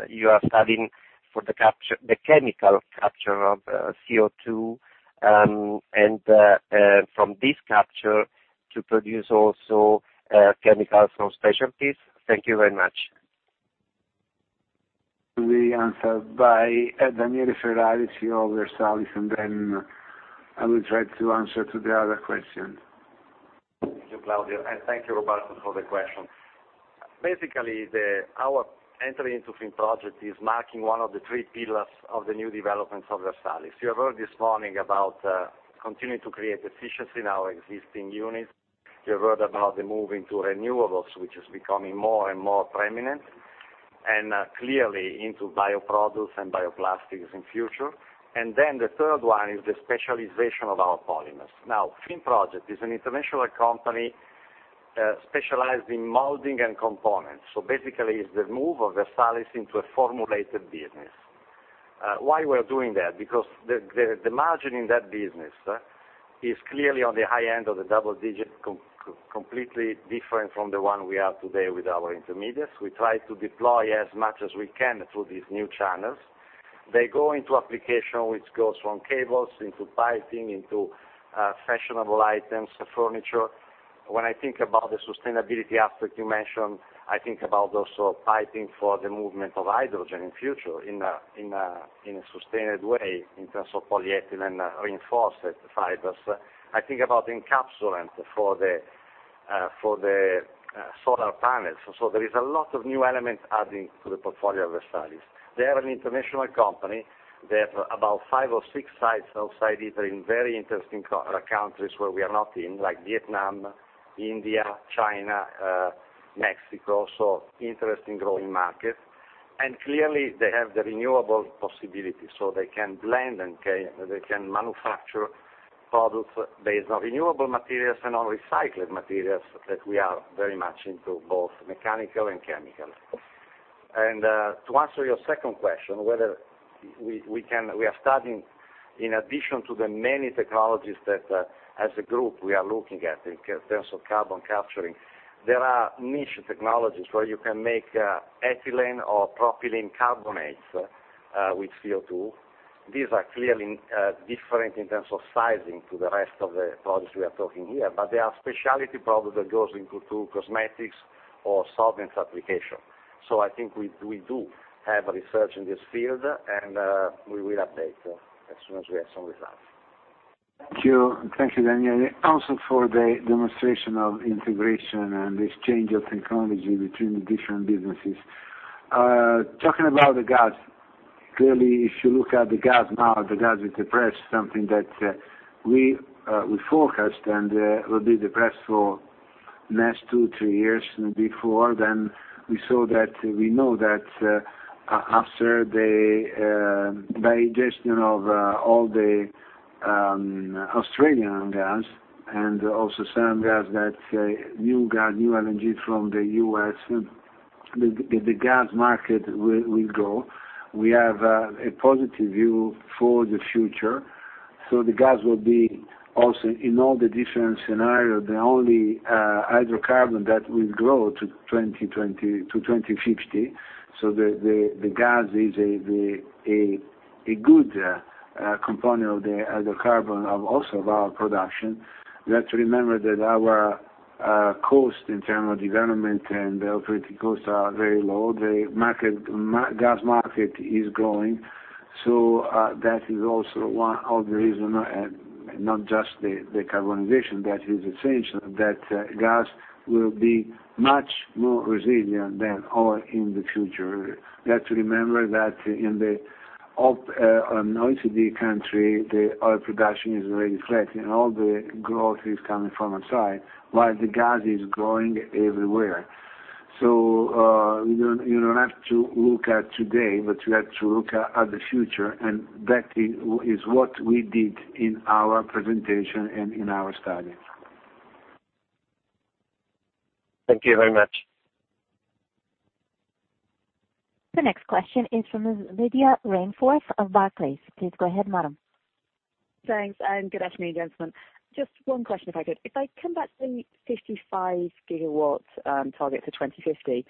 you are studying for the chemical capture of CO2, and from this capture, to produce also chemicals for specialties? Thank you very much. Will be answered by Daniele Ferrari, CEO of Versalis, and then I will try to answer to the other question. Thank you, Claudio, and thank you Roberto for the question. Basically, our entry into Finproject is marking one of the three pillars of the new developments of Versalis. You heard this morning about continuing to create efficiency in our existing units. You heard about the move into renewables, which is becoming more and more preeminent, and clearly into bioproducts and bioplastics in future. The third one is the specialization of our polymers. Now, Finproject is an international company, specialized in molding and components. Basically, it's the move of Versalis into a formulated business. Why we are doing that? The margin in that business is clearly on the high end of the double digit, completely different from the one we have today with our intermediates. We try to deploy as much as we can through these new channels. They go into application, which goes from cables into piping, into fashionable items, furniture. When I think about the sustainability aspect you mentioned, I think about also piping for the movement of hydrogen in future, in a sustained way, in terms of polyethylene reinforced fibers. I think about encapsulant for the solar panels. There is a lot of new elements adding to the portfolio of Versalis. They are an international company. They have about five or six sites outside Italy, in very interesting countries where we are not in, like Vietnam, India, China, Mexico. Interesting growing markets. Clearly they have the renewable possibility, so they can blend and they can manufacture products based on renewable materials and on recycled materials, that we are very much into, both mechanical and chemical. To answer your second question, whether we are studying in addition to the many technologies that, as a group, we are looking at, in terms of carbon capturing. There are niche technologies where you can make ethylene or propylene carbonates with CO2. These are clearly different in terms of sizing to the rest of the products we are talking here, but they are specialty products that goes into cosmetics or solvents application. I think we do have research in this field, and we will update as soon as we have some results. Thank you. Thank you, Daniele. Also for the demonstration of integration and exchange of technology between the different businesses. Talking about the gas, clearly, if you look at the gas now, the gas is depressed, something that we forecast, and will be depressed for the next two, three years. Before then, we know that after the digestion of all the Australian gas and also some gas that new LNG from the U.S., the gas market will grow. We have a positive view for the future. The gas will be also, in all the different scenario, the only hydrocarbon that will grow to 2050. The gas is a good component of the hydrocarbon of also our production. We have to remember that our cost in term of development and the operating costs are very low. The gas market is growing. That is also one of the reason, not just the carbonization, that is essential, that gas will be much more resilient than oil in the future. We have to remember that in the OECD country, the oil production is already flat and all the growth is coming from outside, while the gas is growing everywhere. You don't have to look at today, but you have to look at the future, and that is what we did in our presentation and in our studies. Thank you very much. The next question is from Lydia Rainforth of Barclays. Please go ahead, madam. Thanks. Good afternoon, gentlemen. Just one question if I could. I come back to the 55 gigawatts target for 2050.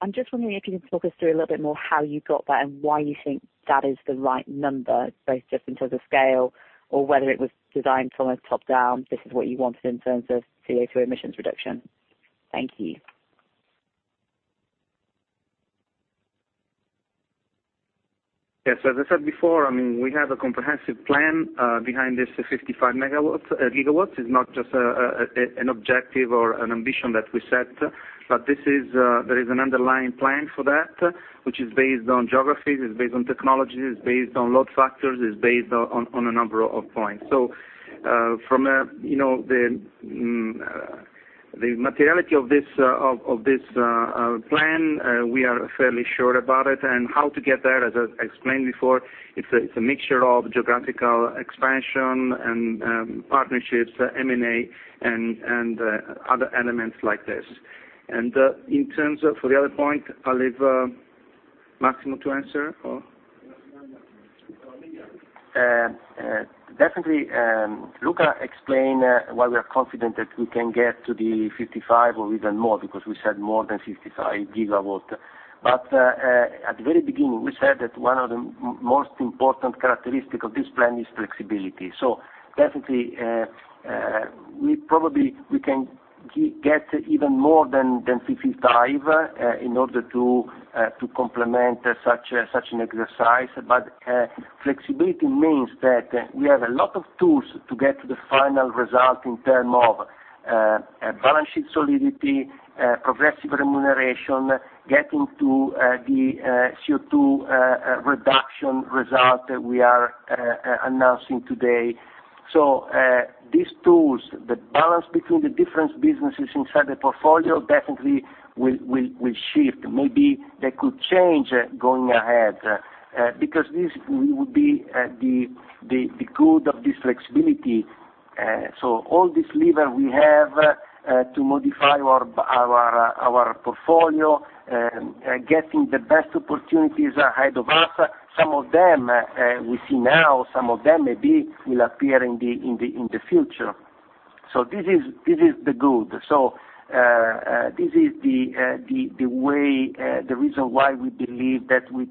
I'm just wondering if you can talk us through a little bit more how you got that and why you think that is the right number, both just in terms of scale or whether it was designed from a top-down, this is what you wanted in terms of CO2 emissions reduction. Thank you. Yes, as I said before, we have a comprehensive plan behind this 55 gigawatts. It's not just an objective or an ambition that we set, but there is an underlying plan for that, which is based on geographies, is based on technologies, is based on load factors, is based on a number of points. From the materiality of this plan, we are fairly sure about it and how to get there, as I explained before, it's a mixture of geographical expansion and partnerships, M&A, and other elements like this. For the other point, I'll leave Massimo to answer. Definitely. Luca explained why we are confident that we can get to the 55 or even more, because we said more than 55 gigawatt. At the very beginning, we said that one of the most important characteristics of this plan is flexibility. Definitely, probably, we can get even more than 55 in order to complement such an exercise. Flexibility means that we have a lot of tools to get to the final result in terms of balance sheet solidity, progressive remuneration, getting to the CO2 reduction result we are announcing today. These tools, the balance between the different businesses inside the portfolio definitely will shift. Maybe they could change going ahead, because this would be the good of this flexibility. All this lever we have to modify our portfolio, getting the best opportunities ahead of us. Some of them we see now, some of them maybe will appear in the future. This is the good. This is the reason why we believe that we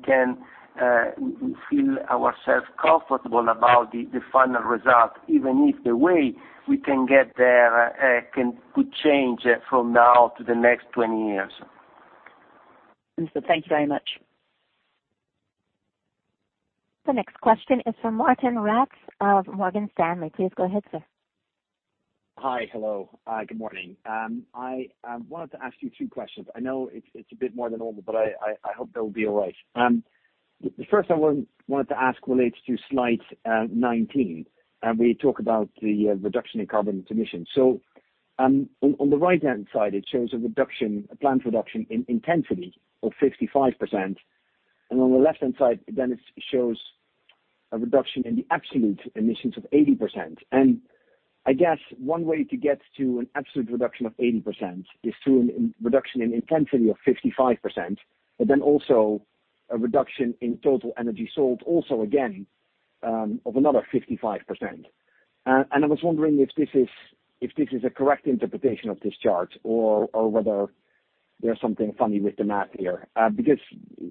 feel ourself comfortable about the final result, even if the way we can get there could change from now to the next 20 years. Thanks very much. The next question is from Martijn Rats of Morgan Stanley. Please go ahead, sir. Hi. Hello. Good morning. I wanted to ask you two questions. I know it's a bit more than normal, but I hope that will be all right. The first I wanted to ask relates to Slide 19. We talk about the reduction in carbon emissions. On the right-hand side, it shows a planned reduction in intensity of 55%, and on the left-hand side, then it shows a reduction in the absolute emissions of 80%. I guess one way to get to an absolute reduction of 80% is through a reduction in intensity of 55%, but then also a reduction in total energy sold also again, of another 55%. I was wondering if this is a correct interpretation of this chart or whether there's something funny with the math here. Because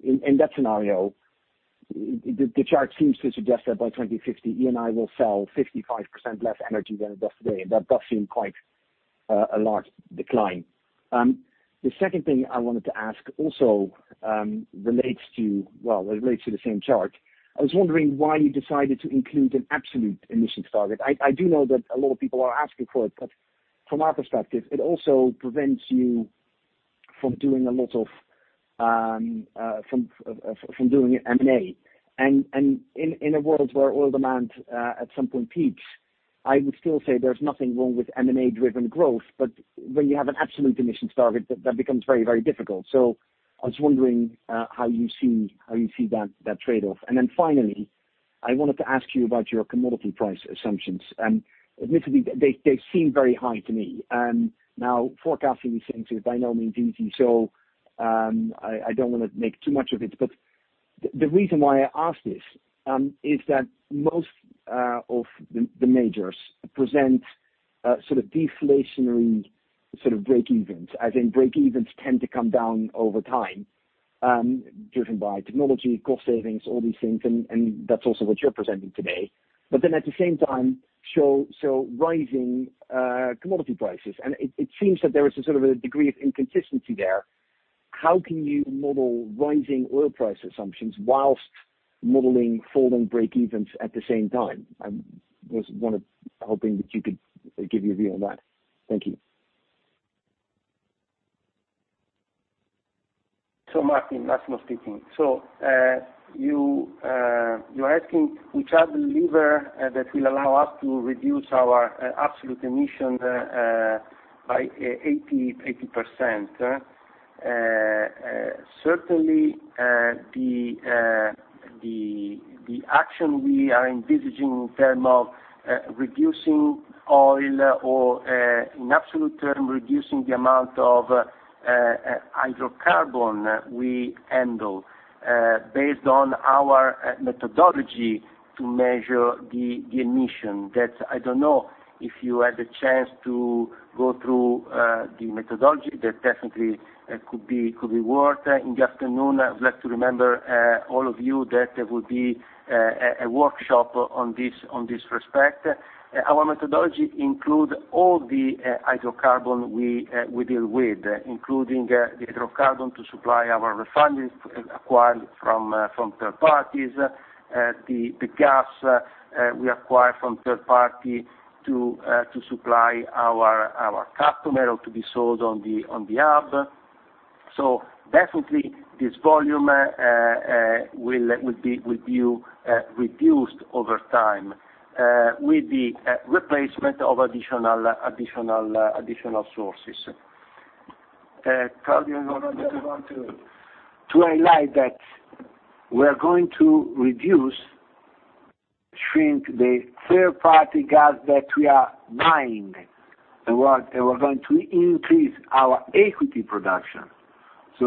in that scenario, the chart seems to suggest that by 2050, Eni will sell 55% less energy than it does today. That does seem quite a large decline. The second thing I wanted to ask also relates to the same chart. I was wondering why you decided to include an absolute emissions target. I do know that a lot of people are asking for it, but from our perspective, it also prevents you from doing M&A. In a world where oil demand at some point peaks, I would still say there is nothing wrong with M&A-driven growth. When you have an absolute emissions target, that becomes very difficult. I was wondering how you see that trade-off. Finally, I wanted to ask you about your commodity price assumptions. Admittedly, they seem very high to me. Forecasting these things is by no means easy, so I don't want to make too much of it, but the reason why I ask this is that most of the majors present sort of deflationary sort of break evens, as in break evens tend to come down over time, driven by technology, cost savings, all these things, and that's also what you're presenting today. At the same time, show rising commodity prices. It seems that there is a sort of a degree of inconsistency there. How can you model rising oil price assumptions whilst modeling falling break evens at the same time? I was hoping that you could give your view on that. Thank you. Martijn, Massimo speaking. You are asking which are the levers that will allow us to reduce our absolute emissions by 80%. Certainly, the action we are envisaging in terms of reducing oil or, in absolute terms, reducing the amount of hydrocarbons we handle, based on our methodology to measure the emissions. I don't know if you had a chance to go through the methodology. Definitely could be worth in the afternoon. I would like to remember all of you that there will be a workshop in this respect. Our methodology includes all the hydrocarbons we deal with, including the hydrocarbons to supply our refineries acquired from third-parties, the gas we acquire from third-party to supply our customer or to be sold on the hub. Definitely, this volume will be reduced over time, with the replacement of additional sources. Claudio, you want to- To highlight that we are going to reduce, shrink the third party gas that we are buying, and we are going to increase our equity production. I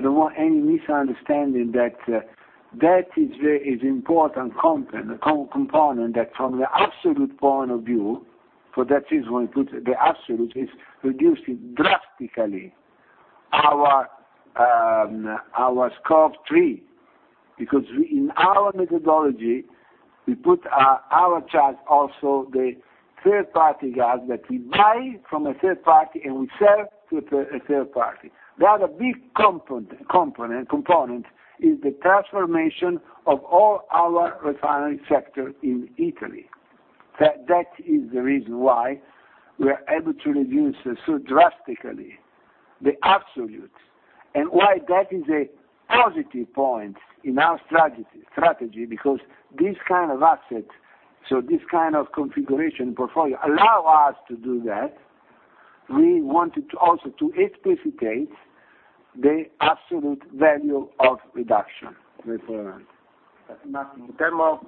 don't want any misunderstanding. That is important component that from the absolute point of view, for that is when we put the absolute, is reducing drastically our Scope 3, because we, in our methodology, we put our chart also the third party gas that we buy from a third party and we sell to a third party. The other big component is the transformation of all our refinery sector in Italy. That is the reason why we are able to reduce so drastically the absolute, why that is a positive point in our strategy, because this kind of asset, so this kind of configuration portfolio allow us to do that. We wanted to also to explicitate the absolute value of reduction. Martijn, in terms of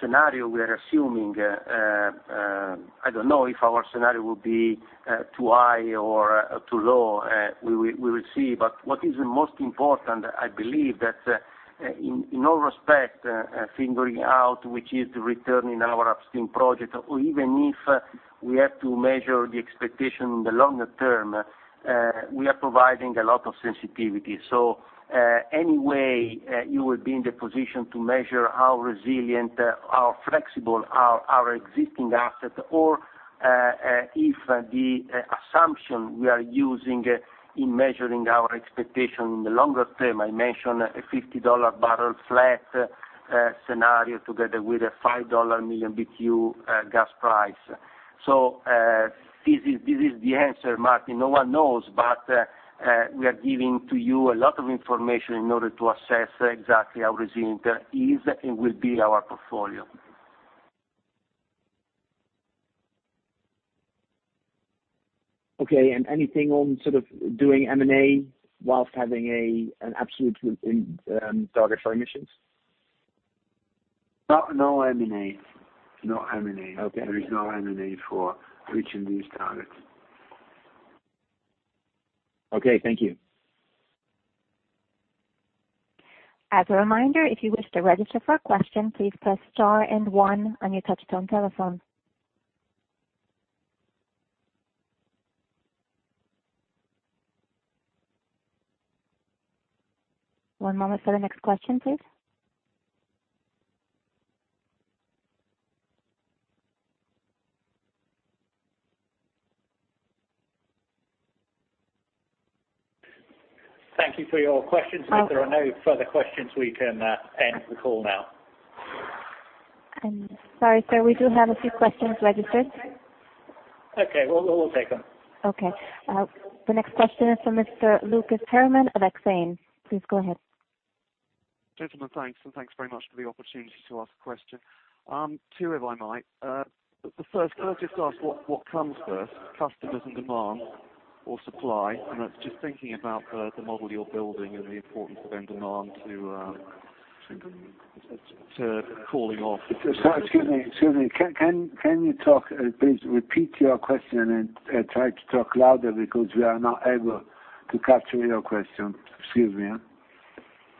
scenario, we are assuming, I don't know if our scenario will be too high or too low. We will see. What is the most important, I believe, that in all respect, figuring out which is the return in our upstream project, or even if we have to measure the expectation in the longer term, we are providing a lot of sensitivity. Anyway you will be in the position to measure how resilient, how flexible are our existing assets, or if the assumption we are using in measuring our expectation in the longer term, I mentioned a $50 barrel flat scenario together with a $5 million BTU gas price. This is the answer, Martijn. No one knows. We are giving to you a lot of information in order to assess exactly how resilient is and will be our portfolio. Okay, anything on sort of doing M&A while having an absolute target for emissions? No, M&A. No M&A. Okay. There is no M&A for reaching these targets. Okay. Thank you. As a reminder, if you wish to register for a question, please press star and one on your touchtone telephone. One moment for the next question, please. Thank you for your questions. If there are no further questions, we can end the call now. I'm sorry, sir, we do have a few questions registered. Okay. We'll take them. Okay. The next question is from Mr. Lucas Herrmann of Exane. Please go ahead. Gentlemen, thanks, and thanks very much for the opportunity to ask a question. Two, if I might. The first, can I just ask what comes first, customers and demand or supply? That's just thinking about the model you're building and the importance of end demand to calling off- Sorry, excuse me. Please repeat your question and try to talk louder because we are not able to capture your question. Excuse me.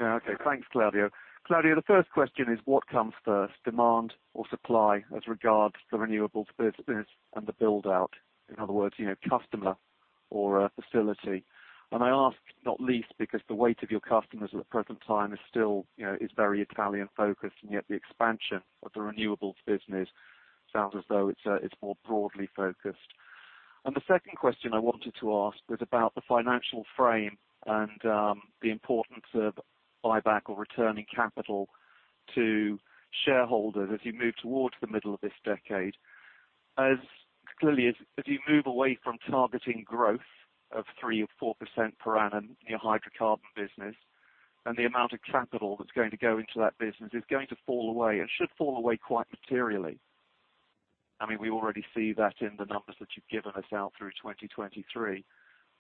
Yes, okay. Thanks, Claudio. Claudio, the first question is what comes first, demand or supply, as regards the renewables business and the build-out? In other words, customer or facility. I ask not least because the weight of your customers at the present time is still, is very Italian-focused, and yet the expansion of the renewables business sounds as though it's more broadly focused. The second question I wanted to ask was about the financial frame and the importance of buyback or returning capital to shareholders as you move towards the middle of this decade. As clearly as you move away from targeting growth of 3% or 4% per annum in your hydrocarbon business, and the amount of capital that's going to go into that business is going to fall away and should fall away quite materially. We already see that in the numbers that you've given us out through 2023.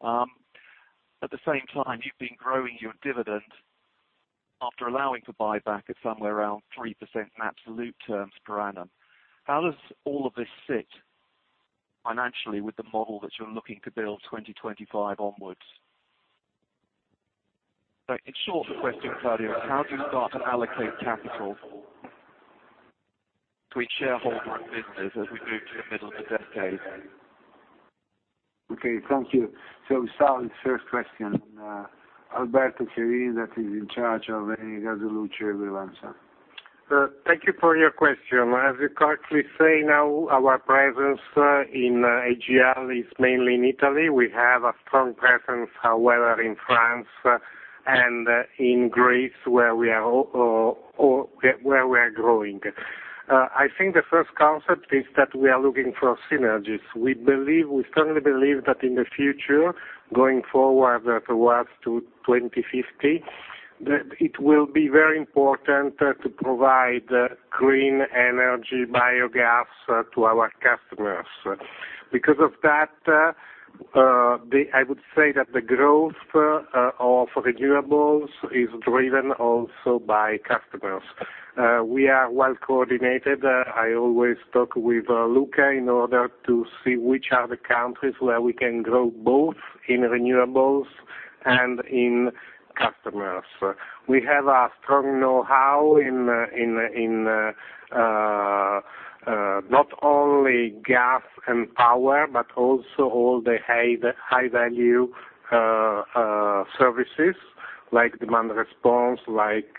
At the same time, you've been growing your dividend after allowing for buyback at somewhere around 3% in absolute terms per annum. How does all of this sit financially with the model that you are looking to build 2025 onwards? In short, the question, Claudio, is how do you start to allocate capital between shareholder and business as we move to the middle of the decade? Okay. Thank you. We start with the first question. Alberto Chiarini, that is in charge of Eni gas e luce will answer. Thank you for your question. As you correctly say now, our presence in AGL is mainly in Italy. We have a strong presence, however, in France and in Greece, where we are growing. I think the first concept is that we are looking for synergies. We strongly believe that in the future, going forward towards 2050, that it will be very important to provide clean energy biogas to our customers. Because of that, I would say that the growth of renewables is driven also by customers. We are well coordinated. I always talk with Luca in order to see which are the countries where we can grow both in renewables and in customers. We have a strong know-how in not only gas and power, but also all the high-value services like demand response, like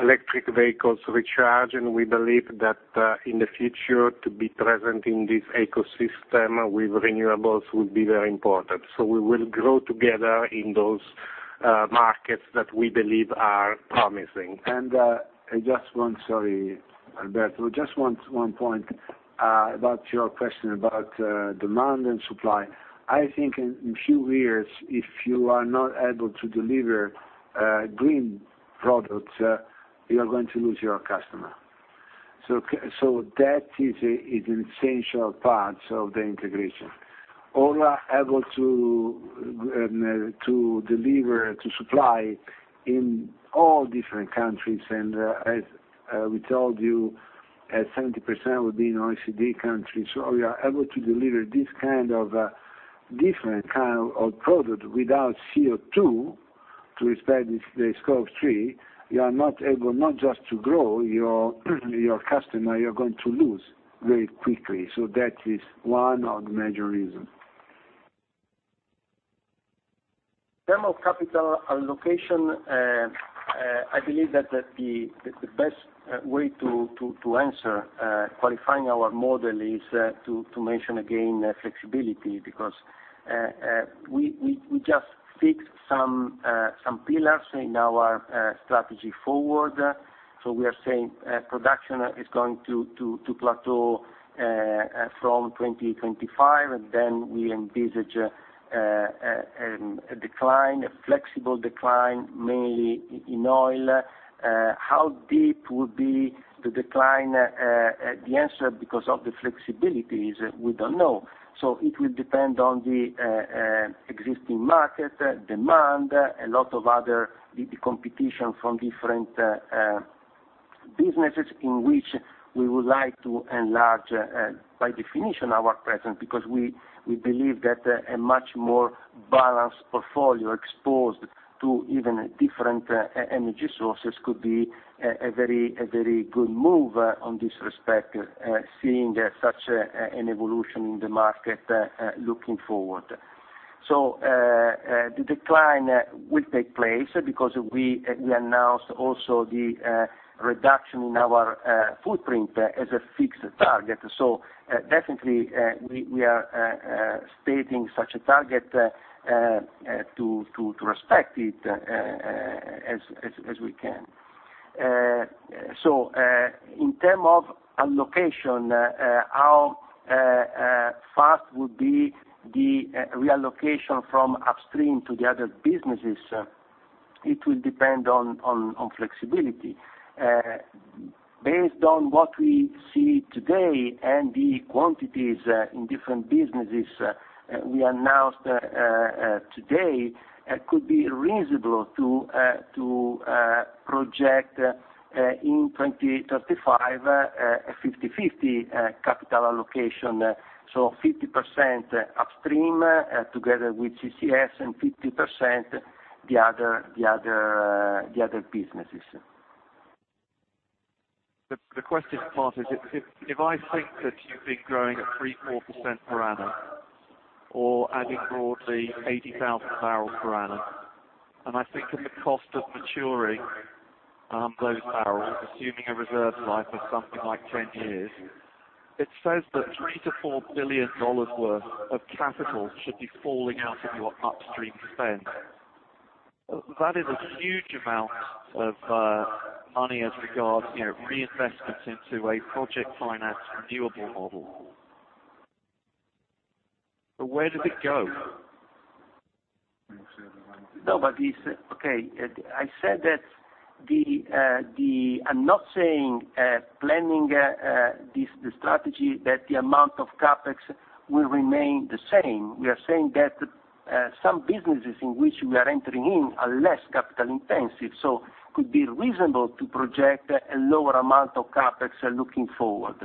electric vehicles recharge. We believe that in the future, to be present in this ecosystem with renewables would be very important. We will grow together in those markets that we believe are promising. I just want, sorry, Alberto, just one point about your question about demand and supply. I think in a few years, if you are not able to deliver green products, you are going to lose your customer. That is an essential part of the integration, or are able to deliver, to supply in all different countries. As we told you, 70% would be in OECD countries. We are able to deliver this different kind of product without CO2 to respect the Scope 3, you are not able not just to grow your customer, you're going to lose very quickly. That is one of the major reasons. In term of capital allocation, I believe that the best way to answer qualifying our model is to mention again, flexibility, because we just fixed some pillars in our strategy forward. We are saying production is going to plateau from 2025, and then we envisage a decline, a flexible decline, mainly in oil. How deep will be the decline? The answer, because of the flexibility, is we don't know. It will depend on the existing market demand, a lot of other competition from different businesses in which we would like to enlarge, by definition, our presence, because we believe that a much more balanced portfolio exposed to even different energy sources could be a very good move on this respect, seeing such an evolution in the market looking forward. The decline will take place because we announced also the reduction in our Footprint as a fixed target. Definitely, we are stating such a target to respect it as we can. In terms of allocation, how fast would be the reallocation from upstream to the other businesses? It will depend on flexibility. Based on what we see today and the quantities in different businesses we announced today, it could be reasonable to project in 2035, a 50/50 capital allocation. 50% upstream together with CCS and 50% the other businesses. The question part is, if I take that you've been growing at 3%, 4% per annum or adding broadly 80,000 barrels per annum, and I think of the cost of maturing those barrels, assuming a reserve life of something like 10 years, it says that EUR 3 billion-EUR 4 billion worth of capital should be falling out of your upstream spend. That is a huge amount of money as regards reinvestments into a project finance renewable model. Where did it go? No. Okay. I said that I'm not saying planning the strategy, that the amount of CapEx will remain the same. We are saying that some businesses in which we are entering in are less capital intensive, could be reasonable to project a lower amount of CapEx looking forward.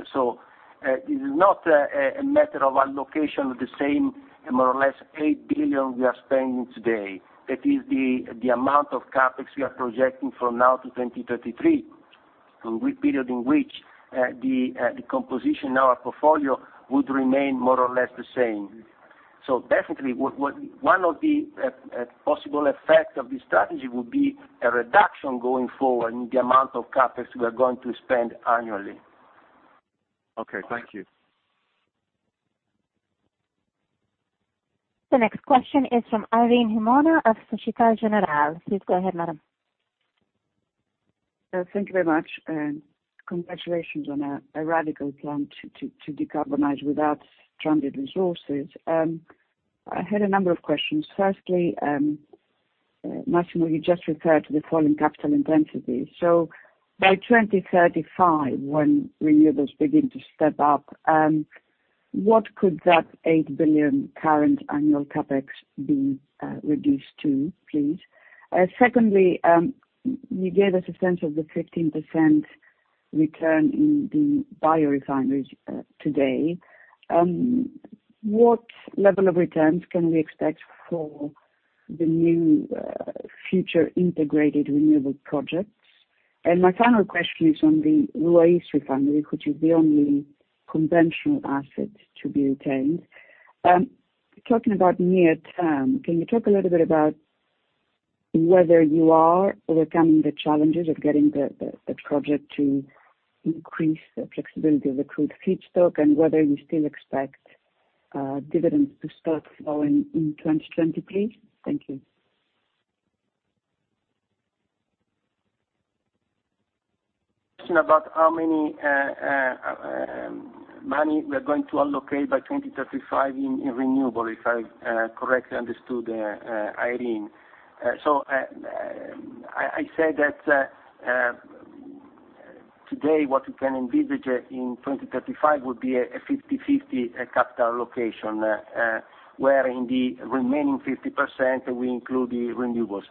It is not a matter of allocation of the same, more or less 8 billion we are spending today. That is the amount of CapEx we are projecting from now to 2023. A period in which the composition of our portfolio would remain more or less the same. Definitely, one of the possible effect of this strategy would be a reduction going forward in the amount of CapEx we are going to spend annually. Okay. Thank you. The next question is from Irene Himona of Societe Generale. Please go ahead, madam. Thank you very much. Congratulations on a radical plan to decarbonize without stranded resources. I had a number of questions. Firstly, Massimo, you just referred to the falling capital intensity. By 2035, when renewables begin to step up, what could that 8 billion current annual CapEx be reduced to, please? Secondly, you gave us a sense of the 15% return in the biorefineries today. What level of returns can we expect for the new future integrated renewable projects? My final question is on the Ruwais refinery, which is the only conventional asset to be retained. Talking about near term, can you talk a little bit about whether you are overcoming the challenges of getting the project to increase the flexibility of the crude feedstock, and whether you still expect dividends to start flowing in 2020, please? Thank you. Question about how many money we are going to allocate by 2035 in renewable, if I correctly understood, Irene? I said that today, what we can envisage in 2035 would be a 50/50 capital allocation, where in the remaining 50%, we include the renewables.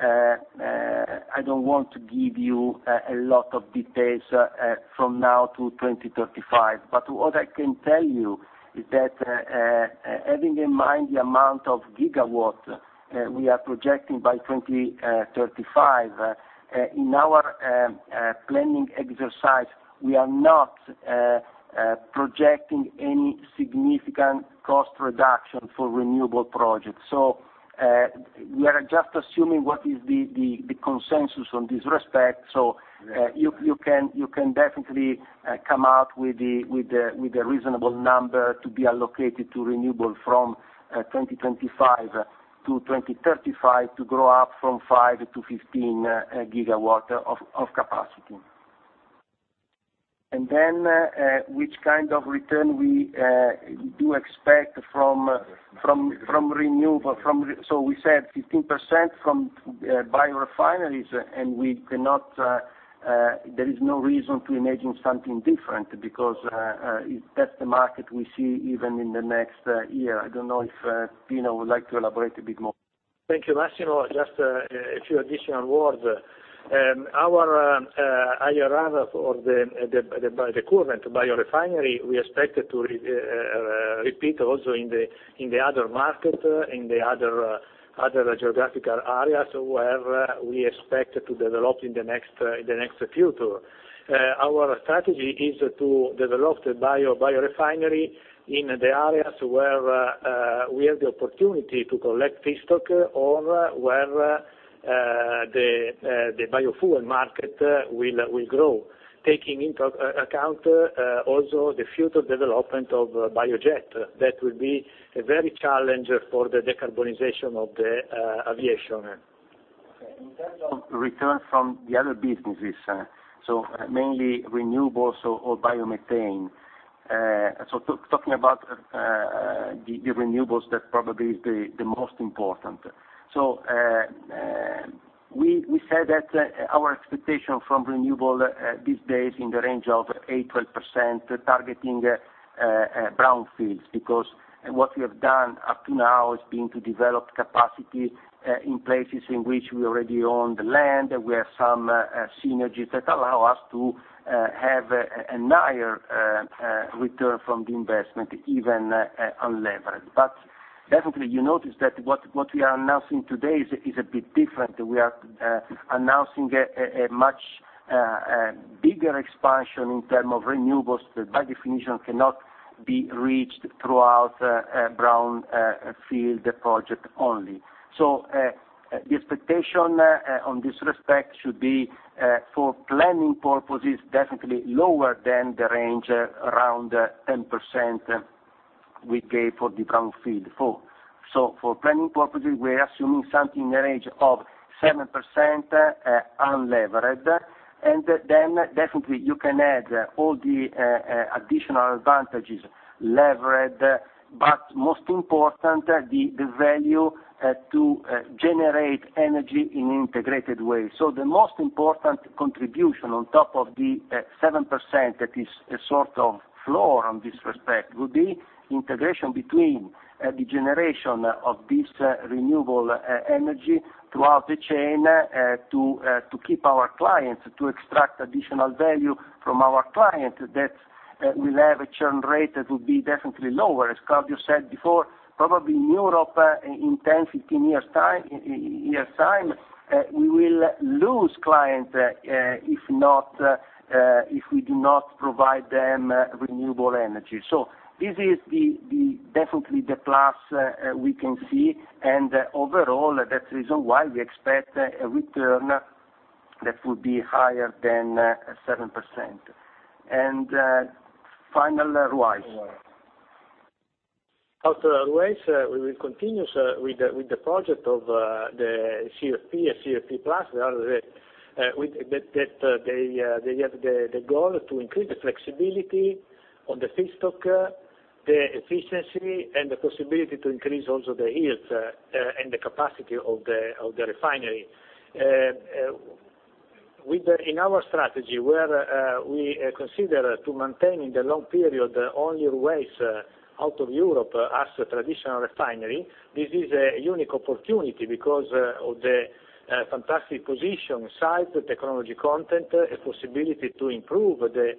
I don't want to give you a lot of details from now to 2035. What I can tell you is that, having in mind the amount of gigawatt we are projecting by 2035, in our planning exercise, we are not projecting any significant cost reduction for renewable projects. We are just assuming what is the consensus on this respect. You can definitely come out with a reasonable number to be allocated to renewable from 2025 to 2035 to grow up from five to 15 gigawatt of capacity. Which kind of return we do expect from renewable? We said 15% from biorefineries, and there is no reason to imagine something different because that's the market we see even in the next year. I don't know if Giuseppe Ricci would like to elaborate a bit more? Thank you, Massimo. Just a few additional words. Our IRR for the current biorefinery, we expect to repeat also in the other market, in the other geographical areas where we expect to develop in the next future. Our strategy is to develop the biorefinery in the areas where we have the opportunity to collect feedstock or where the biofuel market will grow. Taking into account also the future development of biojet. That will be a very challenge for the decarbonization of the aviation. In terms of return from the other businesses, mainly renewables or biomethane. Talking about the renewables, that probably is the most important. We said that our expectation from renewables these days in the range of 8%-12%, targeting brownfields, because what we have done up to now is been to develop capacity in places in which we already own the land, we have some synergies that allow us to have a higher return from the investment, even unlevered. Definitely, you notice that what we are announcing today is a bit different. We are announcing a much bigger expansion in terms of renewables, by definition, cannot be reached throughout brownfield project only. The expectation on this respect should be, for planning purposes, definitely lower than the range around 10%. We pay for the brownfield. For planning purposes, we are assuming something in the range of 7% unlevered, and then definitely you can add all the additional advantages, levered, but most important, the value to generate energy in integrated ways. The most important contribution on top of the 7%, that is a sort of floor on this respect, would be integration between the generation of this renewable energy throughout the chain to keep our clients, to extract additional value from our clients, that will have a churn rate that will be definitely lower. As Claudio said before, probably in Europe, in 10, 15 years' time, we will lose clients if we do not provide them renewable energy. This is definitely the plus we can see, and overall, that's the reason why we expect a return that will be higher than 7%. Final, Ruwais. After Ruwais, we will continue with the project of the CFP and CFP Plus. They have the goal to increase the flexibility of the feedstock, the efficiency, and the possibility to increase also the yields, and the capacity of the refinery. In our strategy, where we consider to maintain in the long period only Ruwais out of Europe as a traditional refinery, this is a unique opportunity because of the fantastic position, size, the technology content, a possibility to improve the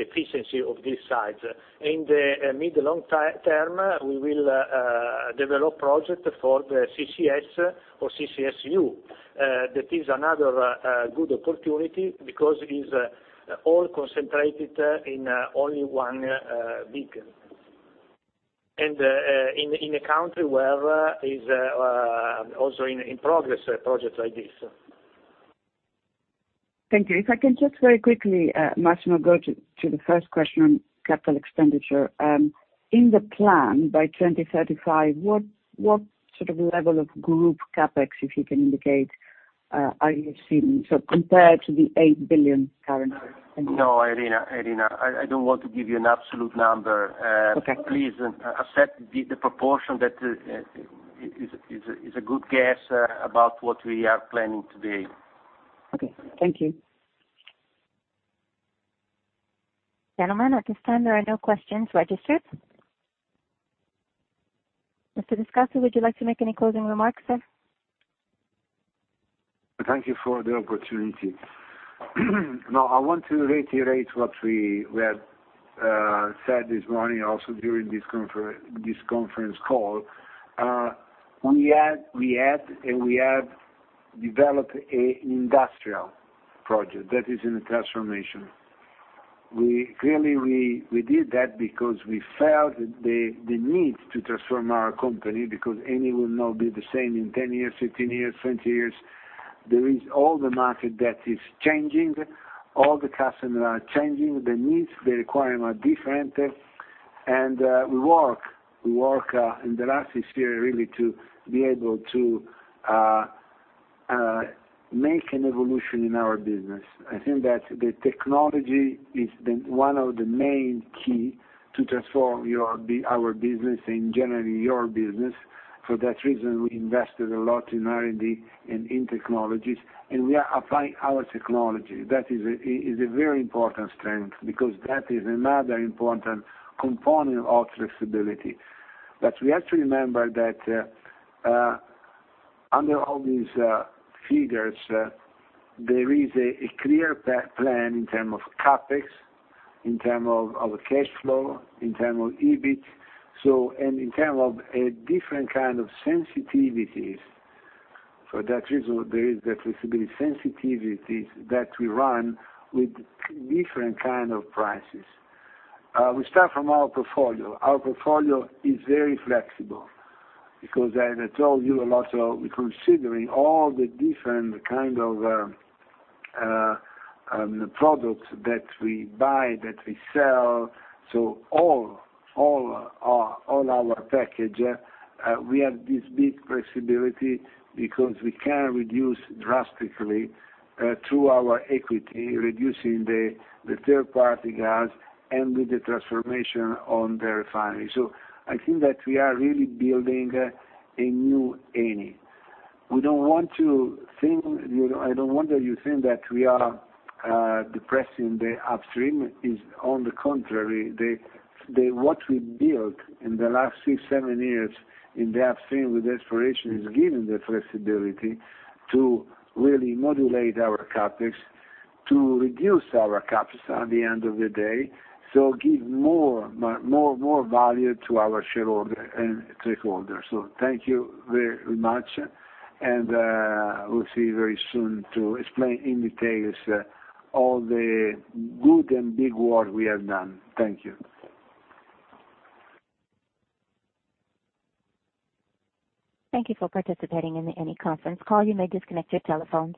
efficiency of this site. In the mid to long term, we will develop project for the CCS or CCUS. That is another good opportunity because it is all concentrated in only one beacon, and in a country where is also in progress, a project like this. Thank you. If I can just very quickly, Massimo, go to the first question, capital expenditure. In the plan, by 2035, what sort of level of group CapEx, if you can indicate, are you seeing? Compared to the 8 billion currently. No, Irene. Irene, I don't want to give you an absolute number. Okay. Please accept the proportion that is a good guess about what we are planning today. Okay. Thank you. Gentlemen, at this time, there are no questions registered. Mr. Descalzi, would you like to make any closing remarks, sir? Thank you for the opportunity. Now, I want to reiterate what we have said this morning, also during this conference call. We have developed an industrial project that is in transformation. Clearly, we did that because we felt the need to transform our company, because Eni will not be the same in 10 years, 15 years, 20 years. There is all the market that is changing, all the customers are changing, the needs, the requirements are different. We work in the last years, really, to be able to make an evolution in our business. I think that the technology is one of the main key to transform our business, and generally, your business. For that reason, we invested a lot in R&D and in technologies, and we are applying our technology. That is a very important strength, because that is another important component of flexibility. We have to remember that under all these figures, there is a clear plan in term of CapEx, in term of our cash flow, in term of EBIT, and in term of a different kind of sensitivities. For that reason, there is the flexibility sensitivities that we run with different kind of prices. We start from our portfolio. Our portfolio is very flexible, because as I told you a lot, we are considering all the different kind of products that we buy, that we sell. All our package, we have this big flexibility because we can reduce drastically through our equity, reducing the third party gas, and with the transformation on the refinery. I think that we are really building a New Eni. I don't want that you think that we are depressing the upstream. It's on the contrary, what we built in the last six, seven years in the upstream with exploration, is giving the flexibility to really modulate our CapEx, to reduce our CapEx at the end of the day. Give more value to our shareholder and stakeholder. Thank you very much, and we'll see you very soon to explain in details all the good and big work we have done. Thank you. Thank you for participating in the Eni conference call. You may disconnect your telephones.